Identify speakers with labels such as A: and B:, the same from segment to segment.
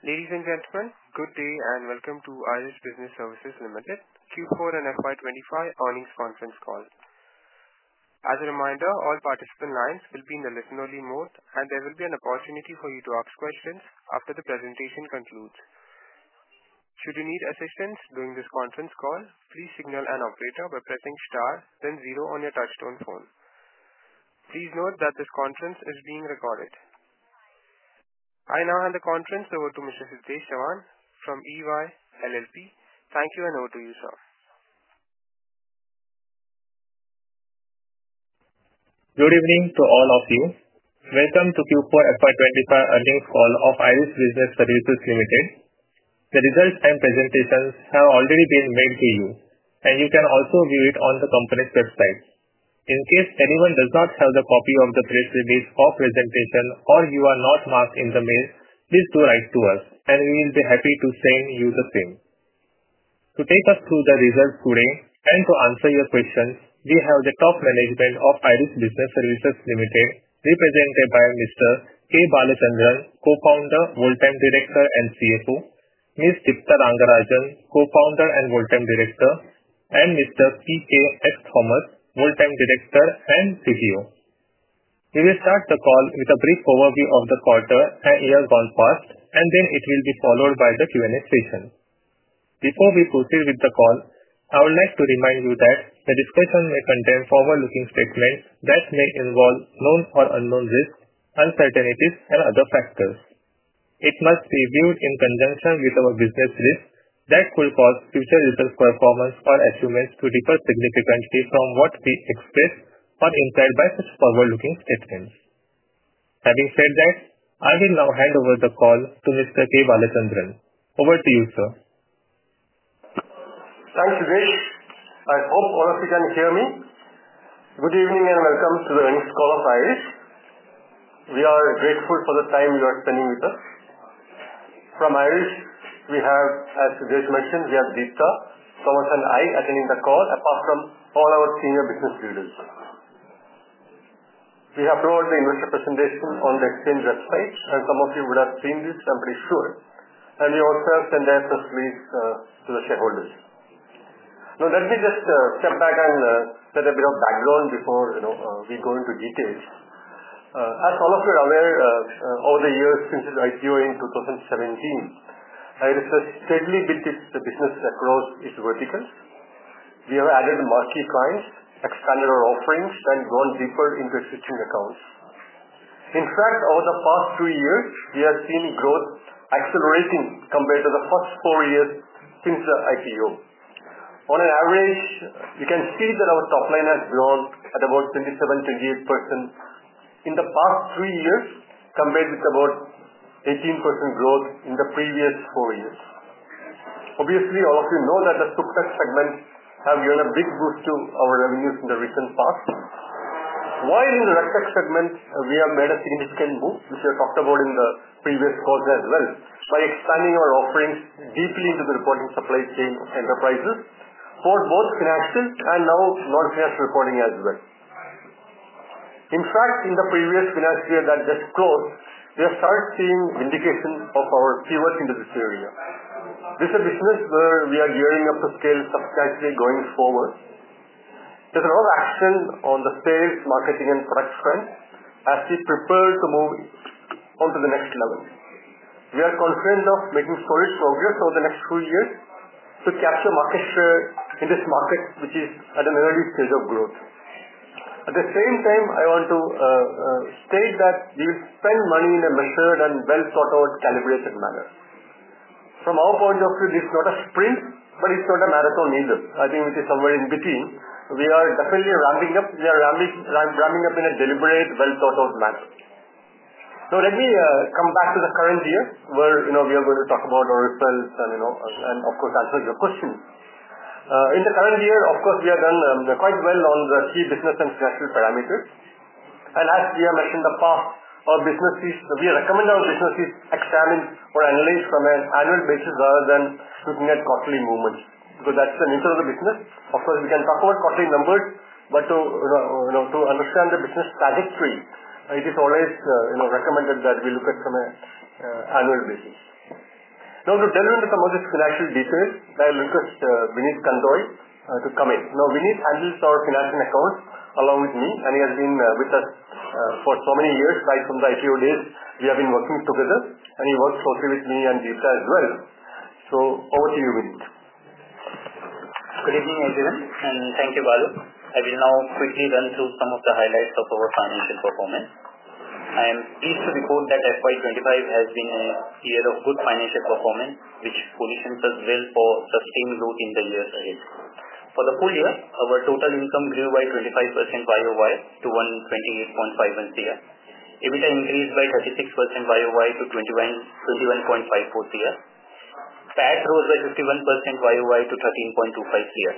A: Ladies and gentlemen, good day and welcome to IRIS Business Services Limited Q4 and FY25 earnings conference call. As a reminder, all participant lines will be in the listen-only mode, and there will be an opportunity for you to ask questions after the presentation concludes. Should you need assistance during this conference call, please signal an operator by pressing star, then zero on your touchstone phone. Please note that this conference is being recorded. I now hand the conference over to Mr. Siddhesh Chaman from EY LLP. Thank you, and over to you, sir.
B: Good evening to all of you. Welcome to Q4 FY2025 Earnings Call of IRIS Business Services Limited. The results and presentations have already been made to you, and you can also view it on the company's website. In case anyone does not have the copy of the press release or presentation, or you are not marked in the mail, please do write to us, and we will be happy to send you the same. To take us through the results today and to answer your questions, we have the top management of IRIS Business Services Limited, represented by Mr. K. Balachandran, Co-founder, Full-time Director and CFO; Ms. Deepta Rangarajan, Co-founder and Full-time Director; and Mr. P K X Thomas, Full-time Director and CTO. We will start the call with a brief overview of the quarter and year gone past, and then it will be followed by the Q&A session. Before we proceed with the call, I would like to remind you that the discussion may contain forward-looking statements that may involve known or unknown risks, uncertainties, and other factors. It must be viewed in conjunction with our business risks that could cause future results, performance, or assumptions to differ significantly from what we express or imply by such forward-looking statements. Having said that, I will now hand over the call to Mr. K. Balachandran. Over to you, sir.
C: Thanks, Siddhesh. I hope all of you can hear me. Good evening and welcome to the earnings call of IRIS Business Services. We are grateful for the time you are spending with us. From IRIS, we have, as Siddhesh mentioned, Deepta Rangarajan, and I attending the call, apart from all our senior business leaders. We have loaded the investor presentation on the exchange website, and some of you would have seen this, I'm pretty sure. You also can direct us, please, to the shareholders. Now, let me just step back and set a bit of background before we go into details. As all of you are aware, over the years, since its IPO in 2017, IRIS Business Services has steadily built its business across its verticals. We have added marquee clients, expanded our offerings, and grown deeper into existing accounts. In fact, over the past two years, we have seen growth accelerating compared to the first four years since the IPO. On an average, you can see that our top line has grown at about 27%-28% in the past three years, compared with about 18% growth in the previous four years. Obviously, all of you know that the SupTech segment has given a big boost to our revenues in the recent past. While in the RegTech segment, we have made a significant move, which we have talked about in the previous calls as well, by expanding our offerings deeply into the reporting supply chain enterprises for both financial and now non-financial reporting as well. In fact, in the previous financial year that just closed, we have started seeing vindication of our pivot into this area. This is a business where we are gearing up to scale substantially going forward. There's a lot of action on the sales, marketing, and product front as we prepare to move on to the next level. We are confident of making solid progress over the next few years to capture market share in this market, which is at an early stage of growth. At the same time, I want to state that we will spend money in a measured and well-thought-out, calibrated manner. From our point of view, this is not a sprint, but it's not a marathon either. I think it is somewhere in between. We are definitely ramping up. We are ramping up in a deliberate, well-thought-out manner. Now, let me come back to the current year where we are going to talk about our results and, of course, answer your questions. In the current year, of course, we have done quite well on the key business and financial parameters. As we have mentioned in the past, our businesses—we recommend our businesses examine or analyze from an annual basis rather than looking at quarterly movements because that is the nature of the business. Of course, we can talk about quarterly numbers, but to understand the business trajectory, it is always recommended that we look at it from an annual basis. Now, to delve into some of these financial details, I will request Vineet Kandoi to come in. Now, Vineet handles our financial accounts along with me, and he has been with us for so many years, right from the IPO days. We have been working together, and he works closely with me and Deepta as well. Over to you, Vineet.
D: Good evening, everyone, and thank you, Balu. I will now quickly run through some of the highlights of our financial performance. I am pleased to report that FY2025 has been a year of good financial performance, which positioned us well for sustained growth in the years ahead. For the full year, our total income grew by 25% year over year to 128.51 crore, EBITDA increased by 36% year over year to 21.54 crore, PAT rose by 51% year-over-year to 13.25 crore.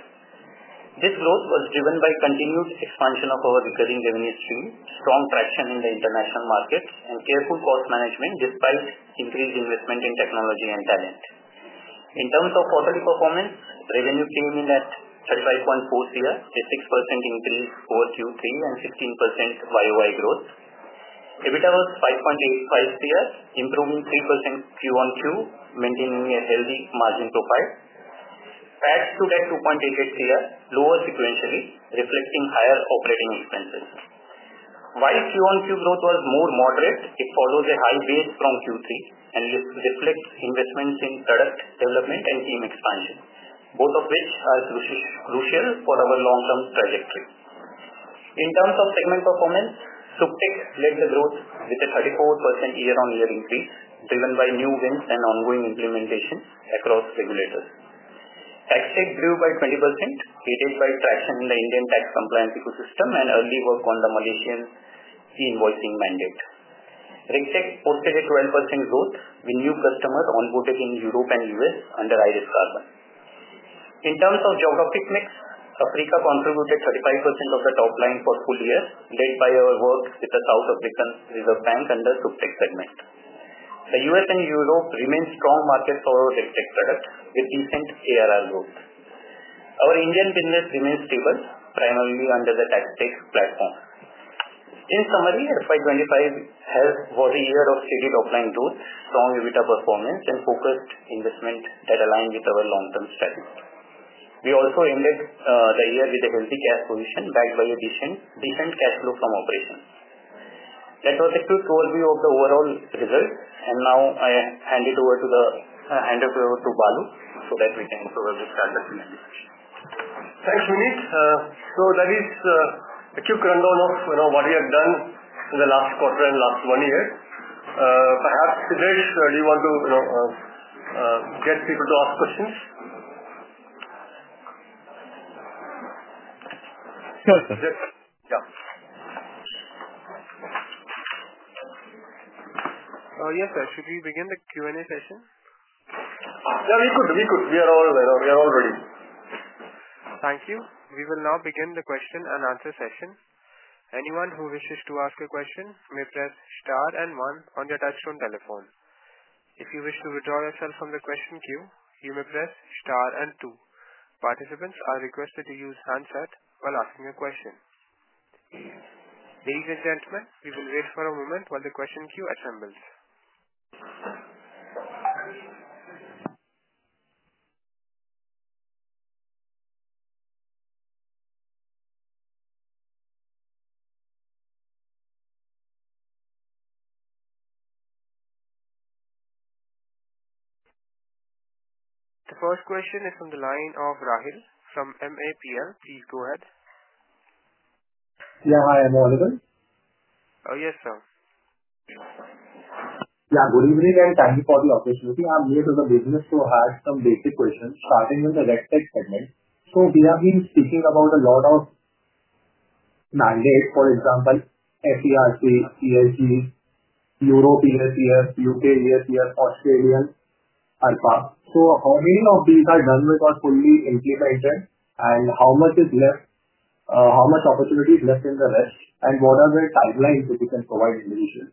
D: This growth was driven by continued expansion of our recurring revenue stream, strong traction in the international markets, and careful cost management despite increased investment in technology and talent. In terms of quarterly performance, revenue came in at 35.4 crore, a 6% increase over Q3, and 16% year over year growth. EBITDA was 5.85 crore, improving 3% quarter on quarter, maintaining a healthy margin profile. PAT stood at 2.88 crore, lower sequentially, reflecting higher operating expenses. While Q-on-Q growth was more moderate, it follows a high base from Q3 and reflects investments in product development and team expansion, both of which are crucial for our long-term trajectory. In terms of segment performance, SupTech led the growth with a 34% year-on-year increase, driven by new wins and ongoing implementations across regulators. TaxTech grew by 20%, aided by traction in the Indian tax compliance ecosystem and early work on the Malaysian e-invoicing mandate. RegTech posted a 12% growth with new customers onboarded in Europe and U.S. under IRIS Carbon. In terms of geographic mix, Africa contributed 35% of the top line for full year, led by our work with the South African Reserve Bank under the SupTech segment. The U.S. and Europe remained strong markets for our RegTech product with decent ARR growth. Our Indian business remained stable, primarily under the TaxTech platform. In summary, FY25 was a year of steady top line growth, strong EBITDA performance, and focused investment that aligned with our long-term strategy. We also ended the year with a healthy cash position backed by a decent cash flow from operations. That was a quick overview of the overall results, and now I hand it over to Balu so that we can start the Q&A session.
C: Thanks, Vineet. That is a quick rundown of what we have done in the last quarter and last one year. Perhaps, Siddhesh, do you want to get people to ask questions?
B: Sure, sir. Yeah. Yes, sir. Should we begin the Q&A session?
C: Yeah, we could. We are all ready.
B: Thank you. We will now begin the question and answer session. Anyone who wishes to ask a question may press star and one on your touchstone telephone. If you wish to withdraw yourself from the question queue, you may press star and two. Participants are requested to use handset while asking a question. Ladies and gentlemen, we will wait for a moment while the question queue assembles. The first question is from the line of Rahil from MAPL. Please go ahead.
E: Yeah, hi. Am I audible?
B: Yes, sir.
E: Yeah, good evening and thank you for the opportunity. I'm here with a business who has some basic questions starting with the RegTech segment. So we have been speaking about a lot of mandates, for example, FERC, ESG, Europe ESG, U.K. ESG, Australian ARPA. How many of these are done with or fully implemented, and how much is left? How much opportunity is left in the rest? And what are the timelines that we can provide individually?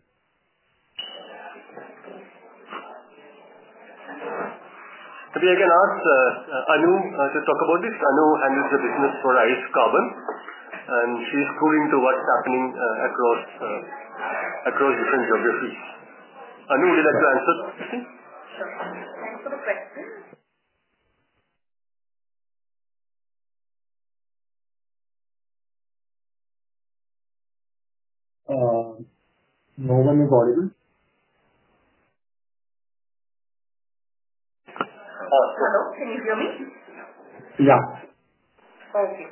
C: Maybe I can ask Anu to talk about this. Anu handles the business for IRIS Carbon, and she's scrolling to what's happening across different geographies. Anu, would you like to answer the question?
F: Hello. Can you hear me?
E: Yeah.
F: Okay.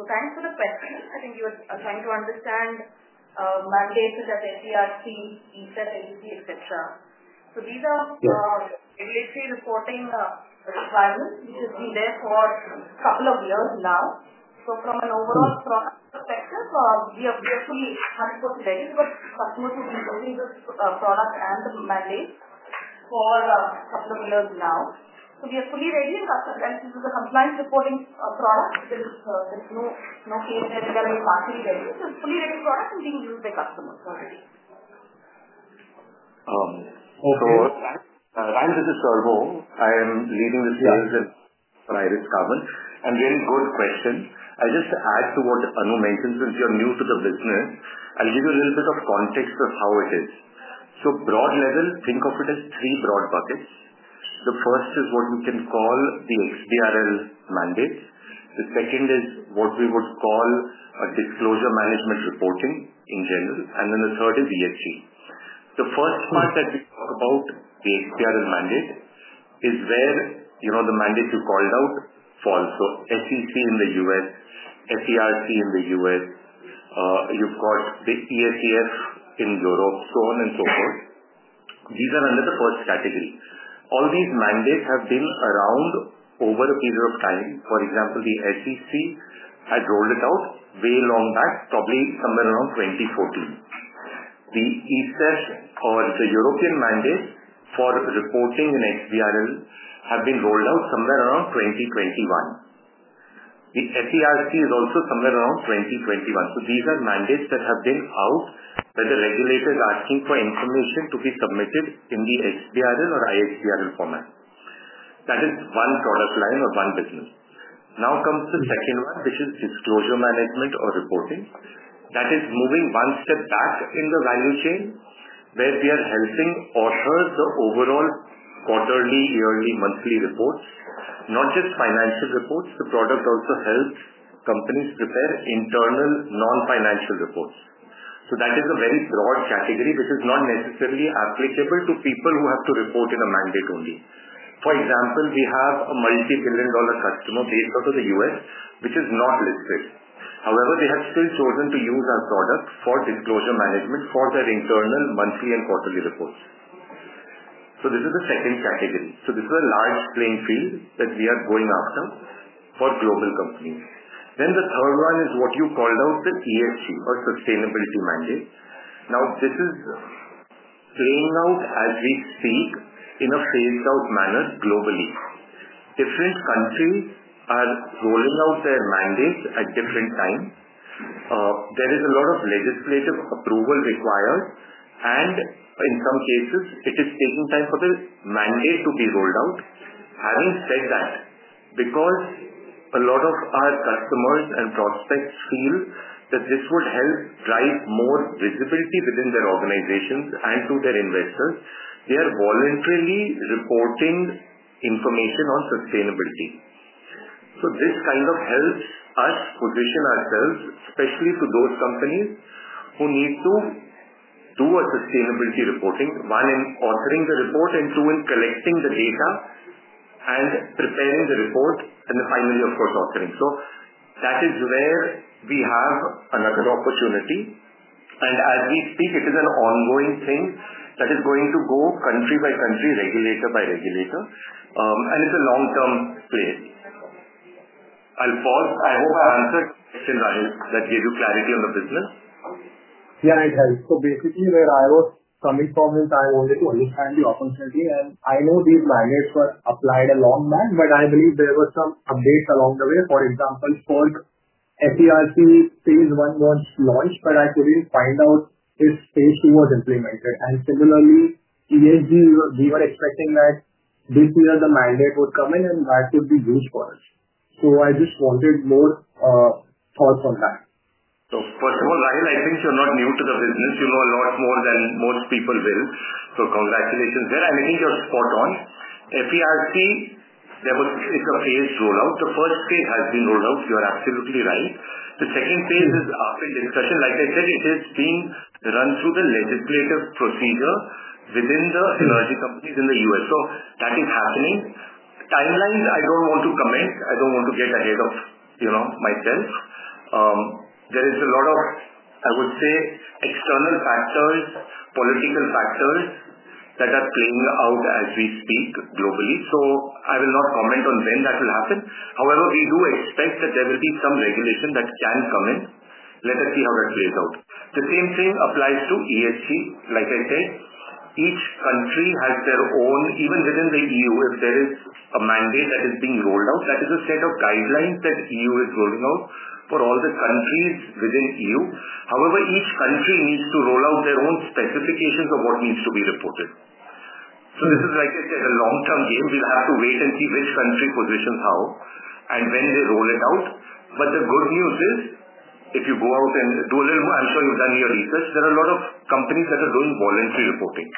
F: Thanks for the question. I think you are trying to understand mandates such as FERC, ESG, etc. These are regulatory reporting requirements which have been there for a couple of years now. From an overall product perspective, we are fully 100% ready because customers have been using this product and the mandate for a couple of years now. We are fully ready, and since it is a compliance reporting product, there's no case that we are not partially ready. It's a fully ready product and being used by customers already.
E: Thanks.
G: Thanks, this is Servo. I am leading the sales at IRIS Carbon. Very good question. I'll just add to what Anu mentioned. Since you're new to the business, I'll give you a little bit of context of how it is. At a broad level, think of it as three broad buckets. The first is what you can call the XBRL mandates. The second is what we would call disclosure management reporting in general. Then the third is ESG. The first part that we talk about, the XBRL mandate, is where the mandate you called out falls. SEC in the U.S., FERC in the U.S., you've got the ESEF in Europe, so on and so forth. These are under the first category. All these mandates have been around over a period of time. For example, the SEC had rolled it out way long back, probably somewhere around 2014. The ESEF or the European mandates for reporting in XBRL have been rolled out somewhere around 2021. The FERC is also somewhere around 2021. These are mandates that have been out where the regulator is asking for information to be submitted in the XBRL or IXBRL format. That is one product line or one business. Now comes the second one, which is disclosure management or reporting. That is moving one step back in the value chain where we are helping author the overall quarterly, yearly, monthly reports, not just financial reports. The product also helps companies prepare internal non-financial reports. That is a very broad category, which is not necessarily applicable to people who have to report in a mandate only. For example, we have a multi-billion dollar customer based out of the U.S., which is not listed. However, they have still chosen to use our product for disclosure management for their internal monthly and quarterly reports. This is the second category. This is a large playing field that we are going after for global companies. The third one is what you called out, the ESG or sustainability mandate. This is playing out as we speak in a phased-out manner globally. Different countries are rolling out their mandates at different times. There is a lot of legislative approval required, and in some cases, it is taking time for the mandate to be rolled out. Having said that, because a lot of our customers and prospects feel that this would help drive more visibility within their organizations and to their investors, they are voluntarily reporting information on sustainability. This kind of helps us position ourselves, especially to those companies who need to do sustainability reporting, one in authoring the report and two in collecting the data and preparing the report, and finally, of course, authoring. That is where we have another opportunity. As we speak, it is an ongoing thing that is going to go country by country, regulator by regulator, and it is a long-term play. I'll pause. I hope I answered your question, Rahil, that gave you clarity on the business.
E: Yeah, it helps. Basically, where I was coming from is I wanted to understand the opportunity, and I know these mandates were applied a long time, but I believe there were some updates along the way. For example, first, FERC phase one was launched, but I could not find out if phase two was implemented. Similarly, ESG, we were expecting that this year the mandate would come in and that would be used for us. I just wanted more thoughts on that.
G: First of all, Rahil, I think you're not new to the business. You know a lot more than most people will. Congratulations there. I think you're spot on. FERC, it's a phased rollout. The first phase has been rolled out. You are absolutely right. The second phase is up in discussion. Like I said, it is being run through the legislative procedure within the energy companies in the US. That is happening. Timelines, I don't want to comment. I don't want to get ahead of myself. There is a lot of, I would say, external factors, political factors that are playing out as we speak globally. I will not comment on when that will happen. However, we do expect that there will be some regulation that can come in. Let us see how that plays out. The same thing applies to ESG. Like I said, each country has their own, even within the EU, if there is a mandate that is being rolled out, that is a set of guidelines that the EU is rolling out for all the countries within the EU. However, each country needs to roll out their own specifications of what needs to be reported. This is, like I said, a long-term game. We'll have to wait and see which country positions how and when they roll it out. The good news is, if you go out and do a little more, I'm sure you've done your research, there are a lot of companies that are doing voluntary reporting.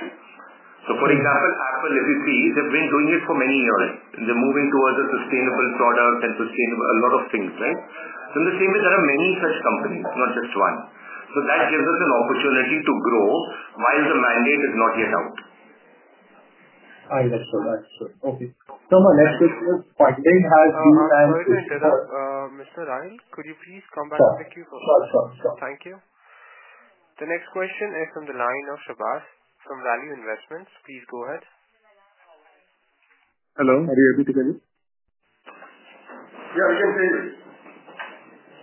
G: For example, Apple, if you see, they've been doing it for many years. They're moving towards a sustainable product and sustainable a lot of things, right? In the same way, there are many such companies, not just one. That gives us an opportunity to grow while the mandate is not yet out.
E: Thanks, Servo. Okay. So my next question is, funding has been planned to.
B: Mr. Rahil, could you please come back? Thank you.
E: Sure, sure.
B: Thank you. The next question is from the line of Shabaz from Value Investments. Please go ahead.
H: Hello. Are you able to hear me?
C: Yeah, we can hear you.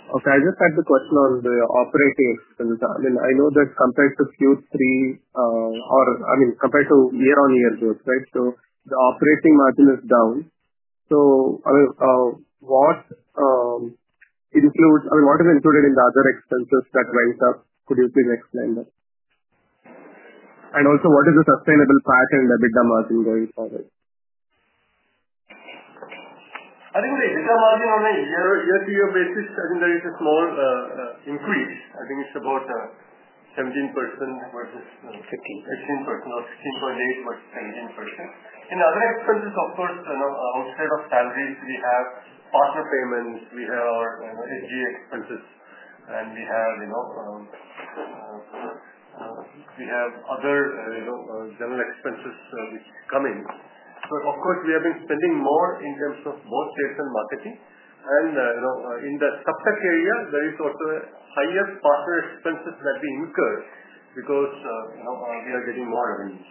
H: Okay. I just had the question on the operating. I mean, I know that compared to Q3 or, I mean, compared to year-on-year growth, right? The operating margin is down. I mean, what is included in the other expenses that went up? Could you please explain that? Also, what is the sustainable pattern, the EBITDA margin going forward?
C: I think the EBITDA margin on a year-to-year basis, I think there is a small increase. I think it's about 17% versus 15% or 16.8% versus 17%. In other expenses, of course, outside of salaries, we have partner payments, we have SG expenses, and we have other general expenses which come in. Of course, we have been spending more in terms of both sales and marketing. In the SupTech area, there is also higher partner expenses that we incur because we are getting more revenues.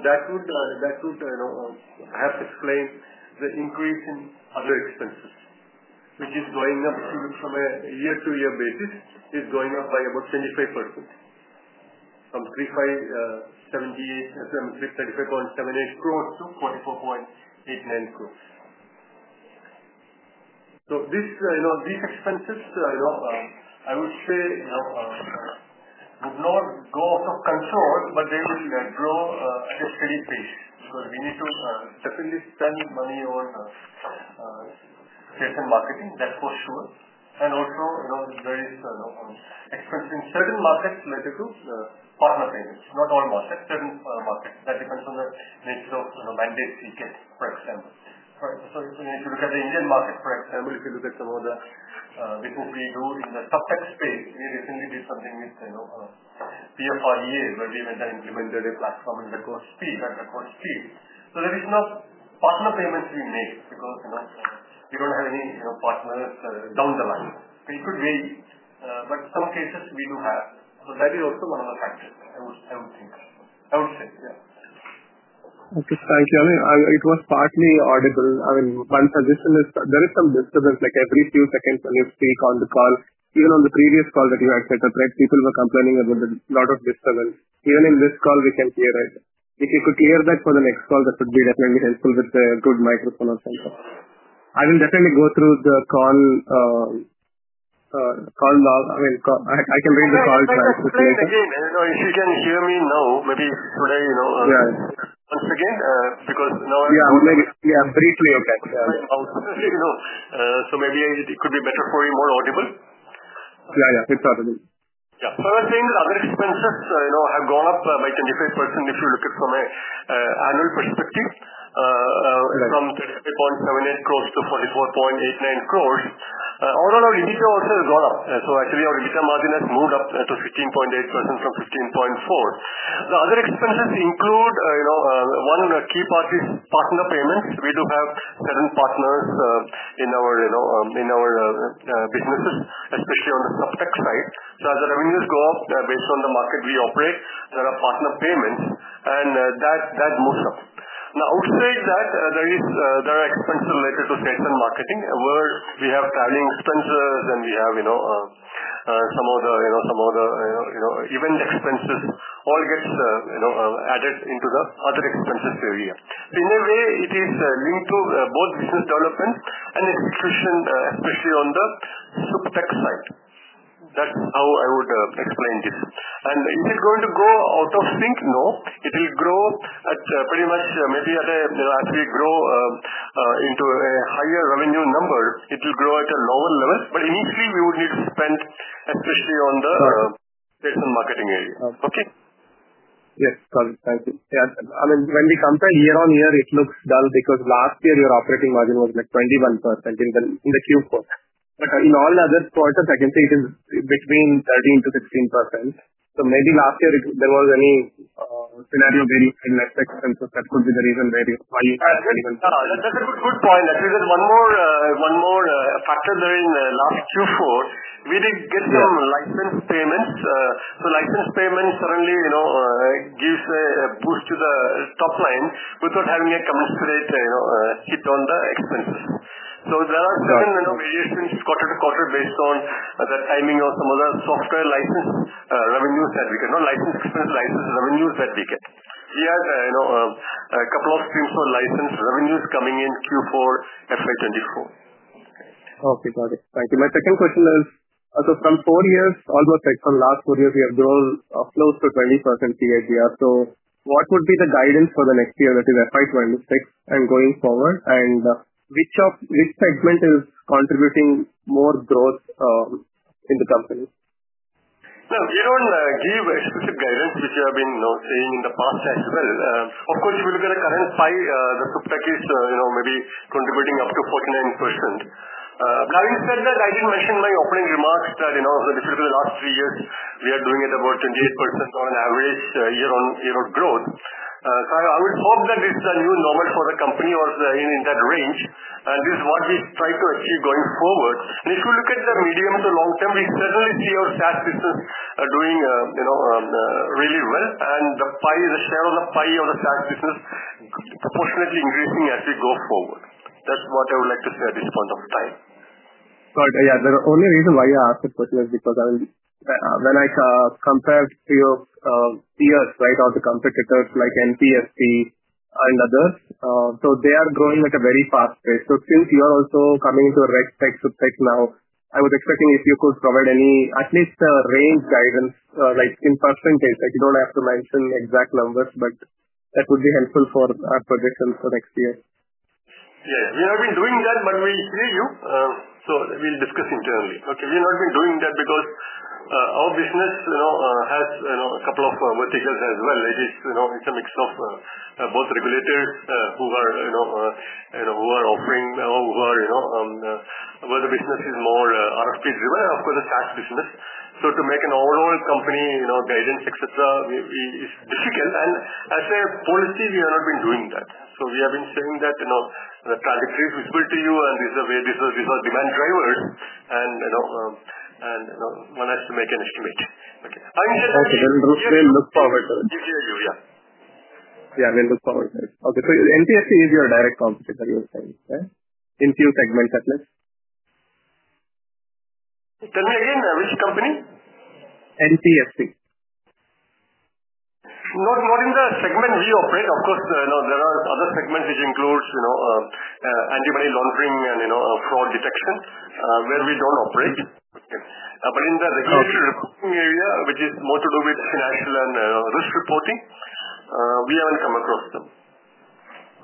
C: That would have explained the increase in other expenses, which is going up from a year-to-year basis, is going up by about 25% from INR 35.78 crores to INR 44.89 crores. These expenses, I would say, would not go out of control, but they will grow at a steady pace because we need to definitely spend money on sales and marketing. That's for sure. Also, there is expense in certain markets related to partner payments, not all markets, certain markets. That depends on the nature of the mandates we get, for example. If you look at the Indian market, for example, if you look at some of the business we do in the SupTech space, we recently did something with PFRDA where we went and implemented a platform at the growth speed. There is no partner payments we make because we do not have any partners down the line. We could wait, but in some cases, we do have. That is also one of the factors, I would think. I would say, yeah.
H: Okay. Thank you. I mean, it was partly audible. I mean, one suggestion is there is some disturbance like every few seconds when you speak on the call. Even on the previous call that you had set up, right, people were complaining about a lot of disturbance. Even in this call, we can clear it. If you could clear that for the next call, that would be definitely helpful with a good microphone or something. I will definitely go through the call log. I mean, I can read the call twice.
C: Once again, if you can hear me now, maybe today, once again, because now I'm.
H: Yeah, briefly, okay.
C: So maybe it could be better for you, more audible?
H: Yeah, yeah. It's audible.
C: Yeah. I was saying that other expenses have gone up by 25% if you look at it from an annual perspective, from 35.78 crores to 44.89 crores. Overall, our EBITDA also has gone up. Actually, our EBITDA margin has moved up to 15.8% from 15.4%. The other expenses include one key part, which is partner payments. We do have certain partners in our businesses, especially on the SupTech side. As the revenues go up based on the market we operate, there are partner payments, and that moves up. Outside that, there are expenses related to sales and marketing where we have traveling expenses, and we have some of the event expenses all get added into the other expenses area. In a way, it is linked to both business development and execution, especially on the SupTech side. That is how I would explain this. Is it going to grow out of sync? No. It will grow at pretty much maybe as we grow into a higher revenue number, it will grow at a lower level. Initially, we would need to spend, especially on the sales and marketing area. Okay?
H: Yes. Sorry. Thank you. Yeah. I mean, when we compare year-on-year, it looks dull because last year, your operating margin was like 21% in the Q4. In all other quarters, I can say it is between 13%-16%. Maybe last year, if there was any scenario variation in expenses, that could be the reason why you said 21%.
C: That's a good point. Actually, there's one more factor there in the last Q4. We did get some license payments. License payments suddenly give a boost to the top line without having a commensurate hit on the expenses. There are certain variations quarter to quarter based on the timing of some of the software license revenues that we get, not license expenses, license revenues that we get. We had a couple of streams for license revenues coming in Q4, FY2024.
H: Okay. Got it. Thank you. My second question is, so from four years, almost from last four years, we have grown close to 20% CAGR. What would be the guidance for the next year, that is FY 2026 and going forward, and which segment is contributing more growth in the company?
C: We do not give specific guidance, which we have been saying in the past as well. Of course, if you look at the current pie, the SupTech is maybe contributing up to 49%. I did mention in my opening remarks that for the last three years, we are doing it about 28% on an average year-on-year growth. I would hope that this is the new normal for the company or in that range. This is what we strive to achieve going forward. If you look at the medium to long term, we certainly see our SaaS business doing really well, and the share of the pie of the SaaS business proportionately increasing as we go forward. That is what I would like to say at this point of time.
H: Got it. Yeah. The only reason why I asked the question is because when I compared a few years, right, or the competitors like NTSC and others, they are growing at a very fast pace. Since you are also coming into a RegTech, SupTech now, I was expecting if you could provide any at least range guidance, like in %, like you do not have to mention exact numbers, but that would be helpful for our projections for next year.
C: Yeah. We have been doing that, but we hear you. We will discuss internally. Okay. We have not been doing that because our business has a couple of verticals as well. It is a mix of both regulators who are offering or who are where the business is more RFP-driven, and of course, the SaaS business. To make an overall company guidance, etc., is difficult. As a policy, we have not been doing that. We have been saying that the trajectory is visible to you, and this is our demand driver. One has to make an estimate. Okay. I will say.
H: Okay. Then we'll look forward to it.
C: We hear you. Yeah.
H: Yeah. We'll look forward to it. Okay. So NTSC is your direct competitor, you were saying, right? In a few segments at least.
C: Tell me again, which company?
H: NTSC.
C: Not in the segment we operate. Of course, there are other segments which include anti-money laundering and fraud detection, where we don't operate. In the reporting area, which is more to do with financial and risk reporting, we haven't come across them.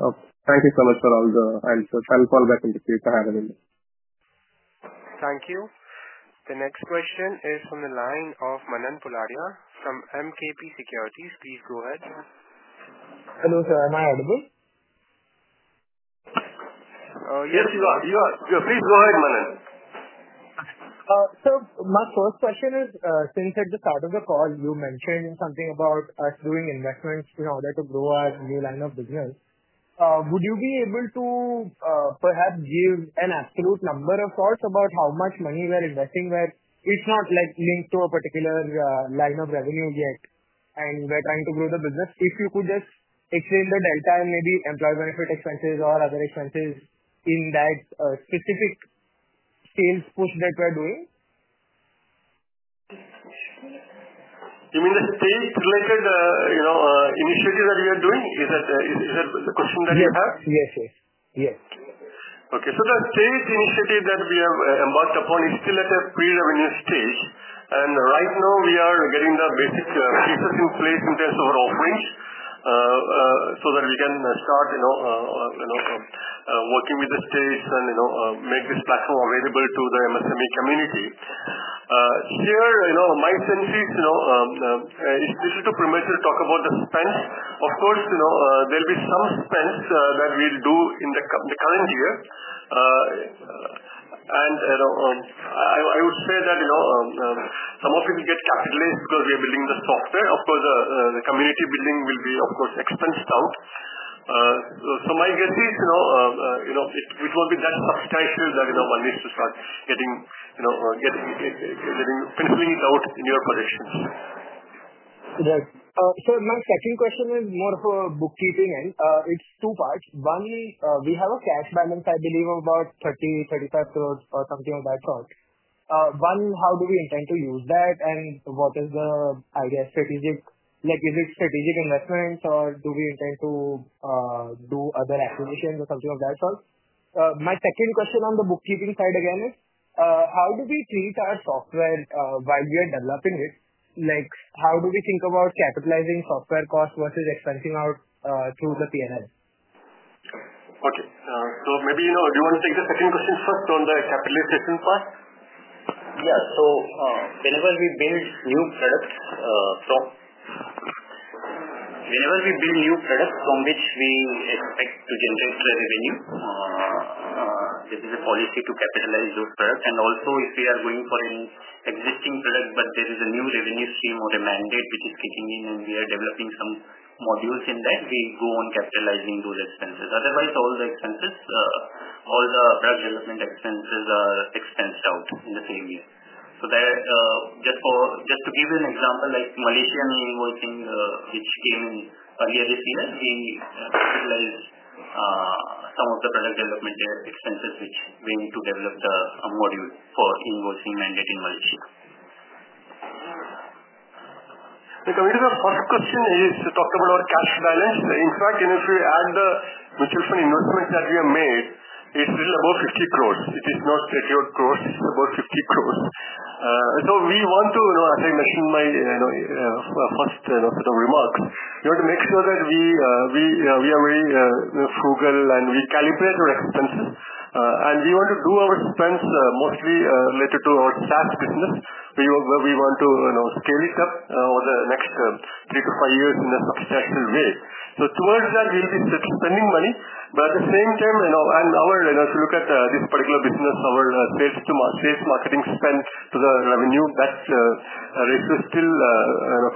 H: Okay. Thank you so much for all the answers. I'll call back in a few to have a look.
A: Thank you. The next question is from the line of Manan Poladia from MKP Securities. Please go ahead.
I: Hello, sir. Am I audible?
C: Yes, you are. Please go ahead, Manan.
I: My first question is, since at the start of the call, you mentioned something about us doing investments in order to grow our new line of business. Would you be able to perhaps give an absolute number of thoughts about how much money we are investing where it's not linked to a particular line of revenue yet and we're trying to grow the business? If you could just explain the delta and maybe employee benefit expenses or other expenses in that specific sales push that we're doing.
C: You mean the state-related initiative that we are doing? Is that the question that you have?
I: Yes.
C: Okay. The state initiative that we have embarked upon is still at a pre-revenue stage. Right now, we are getting the basic pieces in place in terms of our offerings so that we can start working with the states and make this platform available to the MSME community. Here, my sense is it's a little too premature to talk about the spend. Of course, there will be some spends that we'll do in the current year. I would say that some of it will get capitalized because we are building the software. The community building will be, of course, expensed out. My guess is it won't be that substantial that one needs to start getting pinpointed out in your projections.
I: Yes. My second question is more for bookkeeping end. It's two parts. One, we have a cash balance, I believe, of about 30-35 crores or something of that sort. One, how do we intend to use that? What is the, I guess, strategic, is it strategic investments, or do we intend to do other acquisitions or something of that sort? My second question on the bookkeeping side again is, how do we treat our software while we are developing it? How do we think about capitalizing software costs versus expensing out through the P&L?
C: Okay. So maybe do you want to take the second question first on the capitalization part?
D: Yeah. Whenever we build new products from which we expect to generate revenue, there is a policy to capitalize those products. Also, if we are going for an existing product, but there is a new revenue stream or a mandate which is kicking in, and we are developing some modules in that, we go on capitalizing those expenses. Otherwise, all the expenses, all the product development expenses are expensed out in the same year. Just to give you an example, like Malaysian invoicing, which came in earlier this year, we capitalized some of the product development expenses which went to develop the module for invoicing mandate in Malaysia.
C: The first question is to talk about our cash balance. In fact, if you add the mutual fund investment that we have made, it's still above 50 crore. It is not 38 crore. It's above 50 crore. We want to, as I mentioned in my first set of remarks, we want to make sure that we are very frugal and we calibrate our expenses. We want to do our expense mostly related to our SaaS business, where we want to scale it up over the next three to five years in a substantial way. Towards that, we'll be spending money. At the same time, if you look at this particular business, our sales marketing spend to the revenue, that ratio is still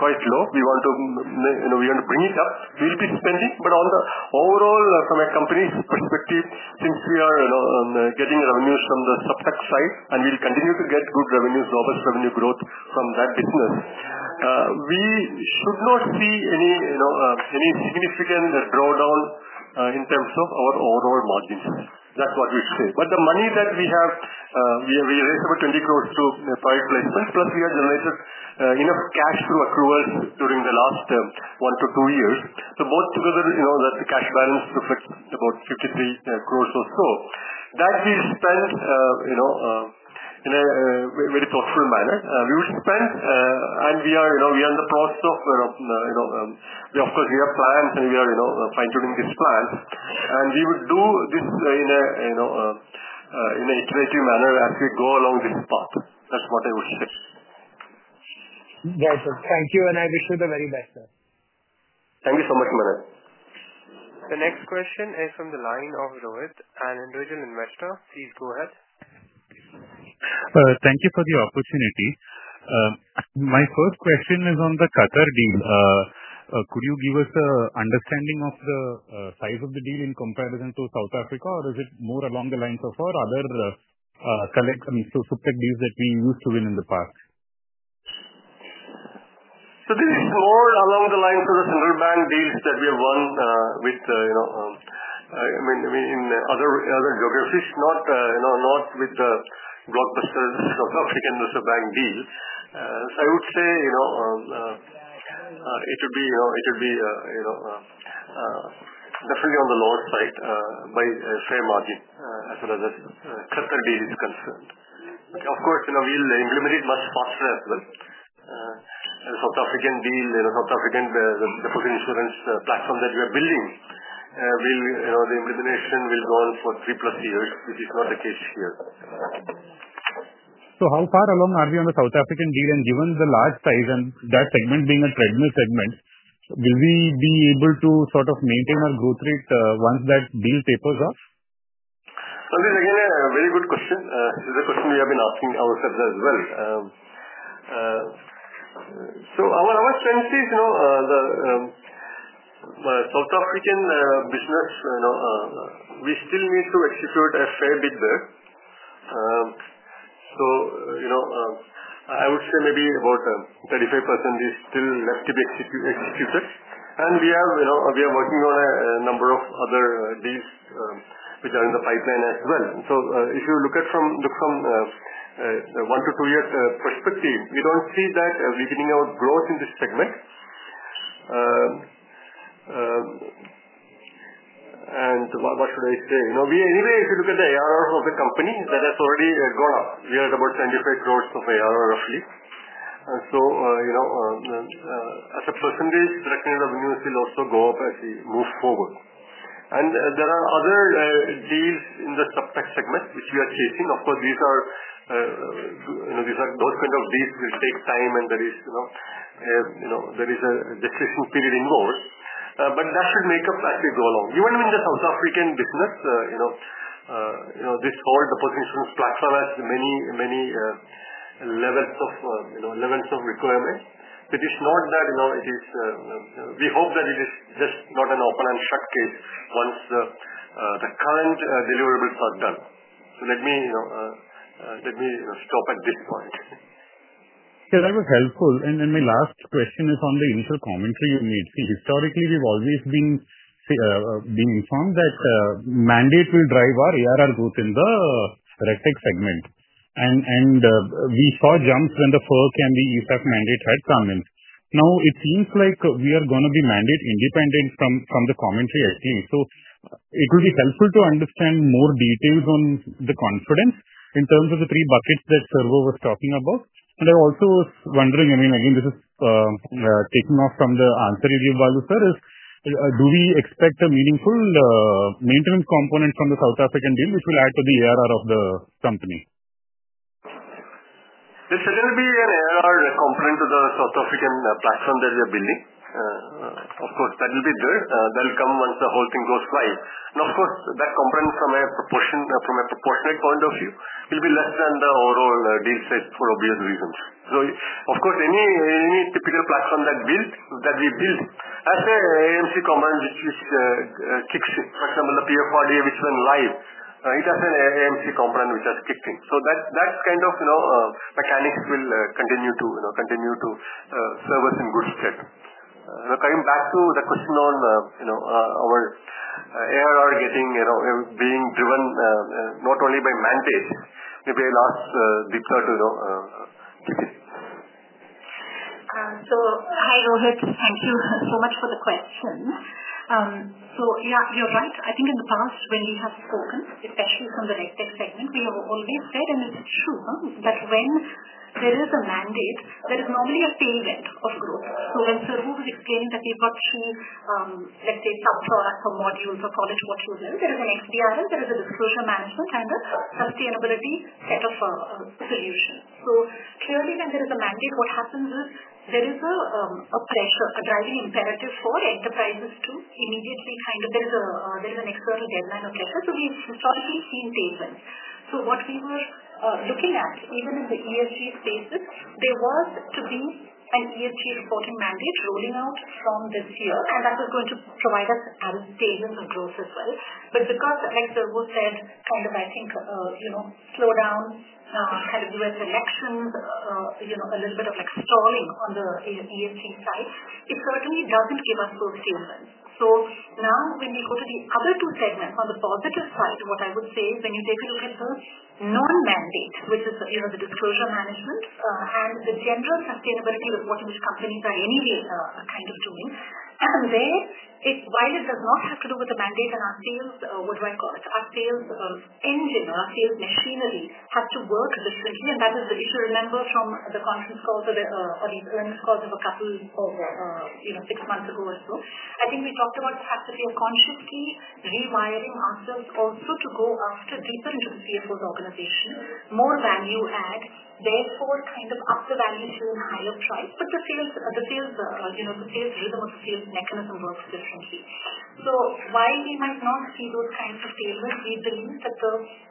C: quite low. We want to bring it up. We'll be spending. Overall, from a company's perspective, since we are getting revenues from the SupTech side, and we will continue to get good revenues, robust revenue growth from that business, we should not see any significant drawdown in terms of our overall margins. That is what we would say. The money that we have, we raised about 20 crore through prior placement, plus we have generated enough cash through accruals during the last one to two years. Both together, that cash balance reflects about 53 crore or so. We spend that in a very thoughtful manner. We would spend, and we are in the process of, of course, we have plans, and we are fine-tuning these plans. We would do this in an iterative manner as we go along this path. That is what I would say.
I: Yes. Thank you. I wish you the very best, sir.
C: Thank you so much, Manan.
A: The next question is from the line of Rohit, an individual investor. Please go ahead.
J: Thank you for the opportunity. My first question is on the Qatar deal. Could you give us an understanding of the size of the deal in comparison to South Africa, or is it more along the lines of our other SupTech deals that we used to win in the past?
C: This is more along the lines of the central bank deals that we have won with, I mean, in other geographies, not with the blockbuster South African Reserve Bank deal. I would say it would be definitely on the lower side by a fair margin as far as the Qatar Central Bank deal is concerned. Of course, we'll implement it much faster as well. The South African deal, the South African deposit insurance platform that we are building, the implementation will go on for three plus years, which is not the case here.
J: How far along are we on the South African deal? Given the large size and that segment being a treadmill segment, will we be able to sort of maintain our growth rate once that deal tapers off?
C: This is again a very good question. It's a question we have been asking ourselves as well. Our strength is the South African business, we still need to execute a fair bit there. I would say maybe about 35% is still left to be executed. We are working on a number of other deals which are in the pipeline as well. If you look at from one to two-year perspective, we don't see that we're getting out growth in this segment. What should I say? Anyway, if you look at the IRR of the company, that has already gone up. We are at about 25 crores of IRR roughly. As a percentage, that kind of revenues will also go up as we move forward. There are other deals in the SupTech segment which we are chasing. Of course, these are those kind of deals will take time, and there is a decision period involved. That should make up as we go along. Even in the South African business, this whole deposit insurance platform has many, many levels of requirements. It is not that it is we hope that it is just not an open-and-shut case once the current deliverables are done. Let me stop at this point.
J: Yeah. That was helpful. My last question is on the initial commentary you made. Historically, we've always been informed that mandate will drive our ARR growth in the RegTech segment. We saw jumps when the FERC and the ESEF mandate had come. Now, it seems like we are going to be mandate independent from the commentary, I think. It will be helpful to understand more details on the confidence in terms of the three buckets that Servo was talking about. I also was wondering, I mean, again, this is taking off from the answer you gave, Balu sir, do we expect a meaningful maintenance component from the South African deal which will add to the ARR of the company?
C: There will be an AMC component to the South African platform that we are building. Of course, that will be there. That will come once the whole thing goes live. Of course, that component from a proportionate point of view will be less than the overall deal size for obvious reasons. Any typical platform that we build has an AMC component which kicks in. For example, the PFRDA which went live, it has an AMC component which has kicked in. That kind of mechanics will continue to serve us in good stead. Coming back to the question on our ARR getting being driven not only by mandate. Maybe I'll ask Deepta to keep it.
K: Hi, Rohit. Thank you so much for the question. Yeah, you're right. I think in the past, when we have spoken, especially from the RegTech segment, we have always said, and it's true, that when there is a mandate, there is normally a tailwind of growth. When Servo was explaining that we've got three, let's say, sub-products or modules or call it what you will, there is an XBRL, there is a disclosure management, and a sustainability set of solutions. Clearly, when there is a mandate, what happens is there is a pressure, a driving imperative for enterprises to immediately kind of, there is an external deadline of pressure. We've historically seen tailwinds. What we were looking at, even in the ESG spaces, there was to be an ESG reporting mandate rolling out from this year, and that was going to provide us tailwinds of growth as well. Because, like Servo said, kind of, I think, slowdown, kind of U.S. elections, a little bit of stalling on the ESG side, it certainly does not give us those tailwinds. Now, when we go to the other two segments on the positive side, what I would say, when you take a look at the non-mandate, which is the disclosure management and the general sustainability of what companies are anyway kind of doing, and there, while it does not have to do with the mandate and our sales, what do I call it? Our sales engine or our sales machinery has to work differently. That is the issue. Remember from the conference calls or these earnings calls of a couple of six months ago or so, I think we talked about the fact that we are consciously rewiring ourselves also to go after deeper into the CFO's organization, more value add, therefore kind of up the value to a higher price, but the sales rhythm of the sales mechanism works differently. While we might not see those kinds of tailwinds, we believe that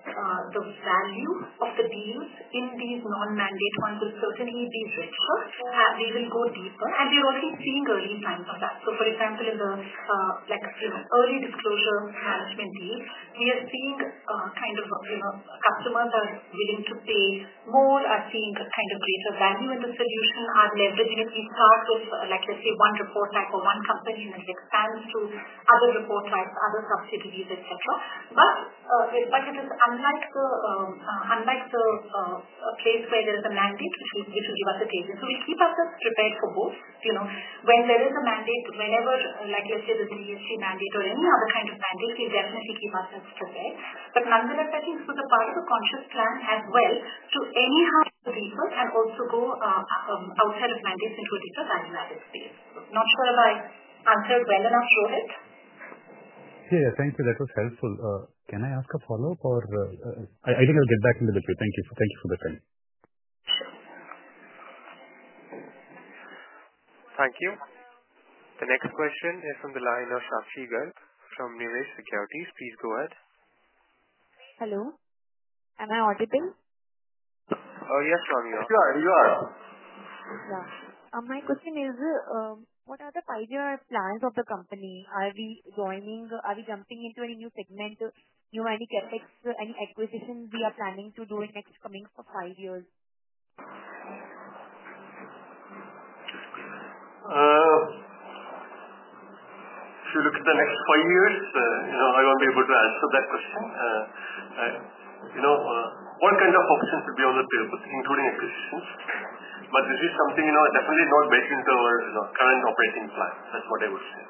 K: the value of the deals in these non-mandate ones will certainly be richer. They will go deeper. We are also seeing early signs of that. For example, in the early disclosure management deal, we are seeing kind of customers are willing to pay more, are seeing kind of greater value in the solution, are leveraging it. We start with, let's say, one report type or one company, and it expands to other report types, other subsidiaries, etc. It is unlike the place where there is a mandate which will give us a tailwind. We keep ourselves prepared for both. When there is a mandate, whenever, let's say, the ESG mandate or any other kind of mandate, we definitely keep ourselves prepared. Nonetheless, I think this was a part of the conscious plan as well to anyhow deeper and also go outside of mandates into a deeper value-added space. Not sure if I answered well enough, Rohit?
J: Yeah. Thank you. That was helpful. Can I ask a follow-up? I think I'll get back in a little bit. Thank you for the time.
A: Sure. Thank you. The next question is from the line of Sakshi Garg from Nivesh Securities. Please go ahead.
L: Hello. Am I audible? Yeah. My question is, what are the five-year plans of the company? Are we joining? Are we jumping into any new segment? Do you have any CapEx, any acquisitions we are planning to do in the next coming five years?
C: If you look at the next five years, I won't be able to answer that question. What kind of options will be on the table, including acquisitions? This is something definitely not baked into our current operating plan. That's what I would say.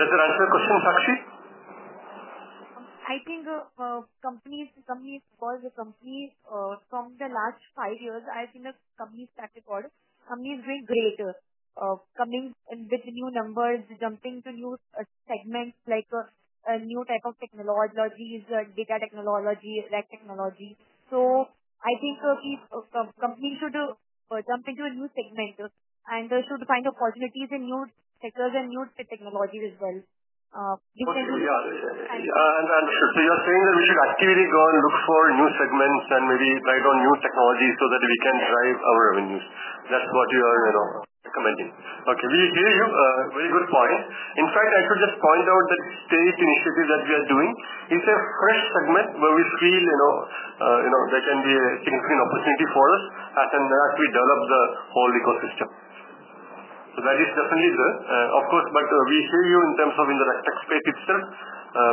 C: Does it answer your question, Sakshi?
L: I think companies as well as the companies from the last five years, I think the company's track record, companies are doing greater, coming with new numbers, jumping to new segments like new type of technologies, data technology, tech technology. I think companies should jump into a new segment and should find opportunities in new sectors and new technologies as well.
C: Yeah. So you're saying that we should actively go and look for new segments and maybe try on new technologies so that we can drive our revenues. That's what you are recommending. Okay. We hear you. Very good point. In fact, I should just point out that state initiative that we are doing is a fresh segment where we feel there can be a significant opportunity for us as we develop the whole ecosystem. That is definitely there. Of course, we hear you in terms of in the RegTech space itself,